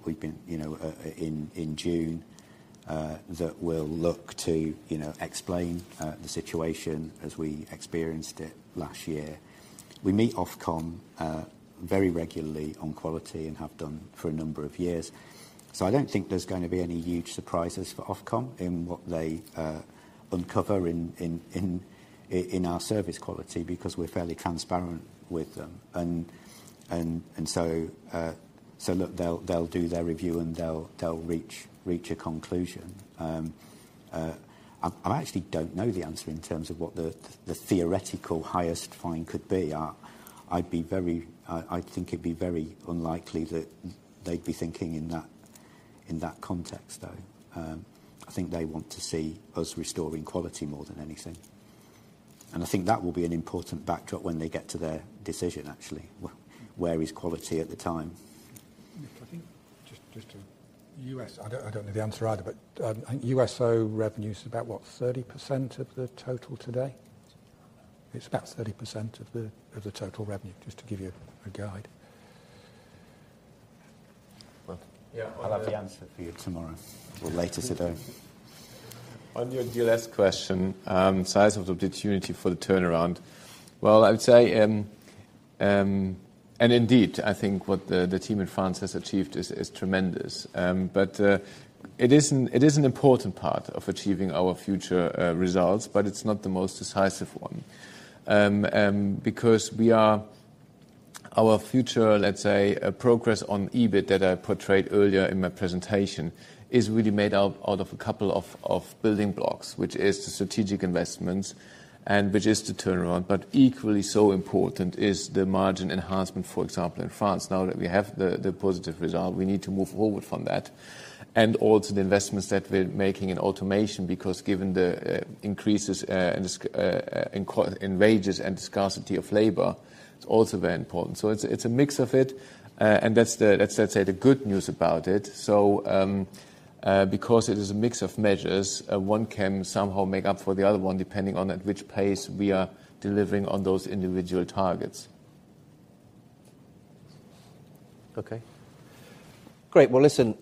we've been, you know, in June, that will look to, you know, explain the situation as we experienced it last year. We meet Ofcom very regularly on quality and have done for a number of years. I don't think there's gonna be any huge surprises for Ofcom in what they uncover in our service quality because we're fairly transparent with them. Look, they'll do their review, and they'll reach a conclusion. I actually don't know the answer in terms of what the theoretical highest fine could be. I'd be very... I'd think it'd be very unlikely that they'd be thinking in that, in that context, though. I think they want to see us restoring quality more than anything. I think that will be an important backdrop when they get to their decision, actually. Where is quality at the time? I think just to U.S., I don't know the answer either. USO revenue is about, what, 30% of the total today? It's about 30% of the total revenue, just to give you a guide. Well, I'll have the answer for you tomorrow or later today. On your GLS question, size of the opportunity for the turnaround. Well, I would say. Indeed, I think what the team in France has achieved is tremendous. It is an important part of achieving our future results, but it's not the most decisive one. Our future, let's say, progress on EBIT that I portrayed earlier in my presentation is really made out of a couple of building blocks, which is the strategic investments and which is the turnaround. Equally so important is the margin enhancement, for example, in France. Now that we have the positive result, we need to move forward from that. Also the investments that we're making in automation, because given the increases in wages and the scarcity of labor, it's also very important. It's a mix of it. That's the, let's say, the good news about it. Because it is a mix of measures, one can somehow make up for the other one depending on at which pace we are delivering on those individual targets. Okay. Great. Well, listen,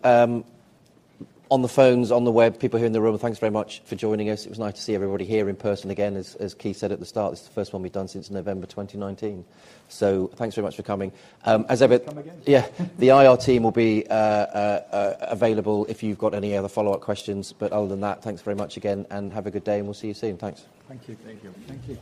on the phones, on the web, people here in the room, thanks very much for joining us. It was nice to see everybody here in person again. As Keith said at the start, this is the first one we've done since November 2019. Thanks very much for coming. Come again? Yeah. The IR team will be available if you've got any other follow-up questions. Other than that, thanks very much again, and have a good day, and we'll see you soon. Thanks. Thank you. Thank you. Thank you.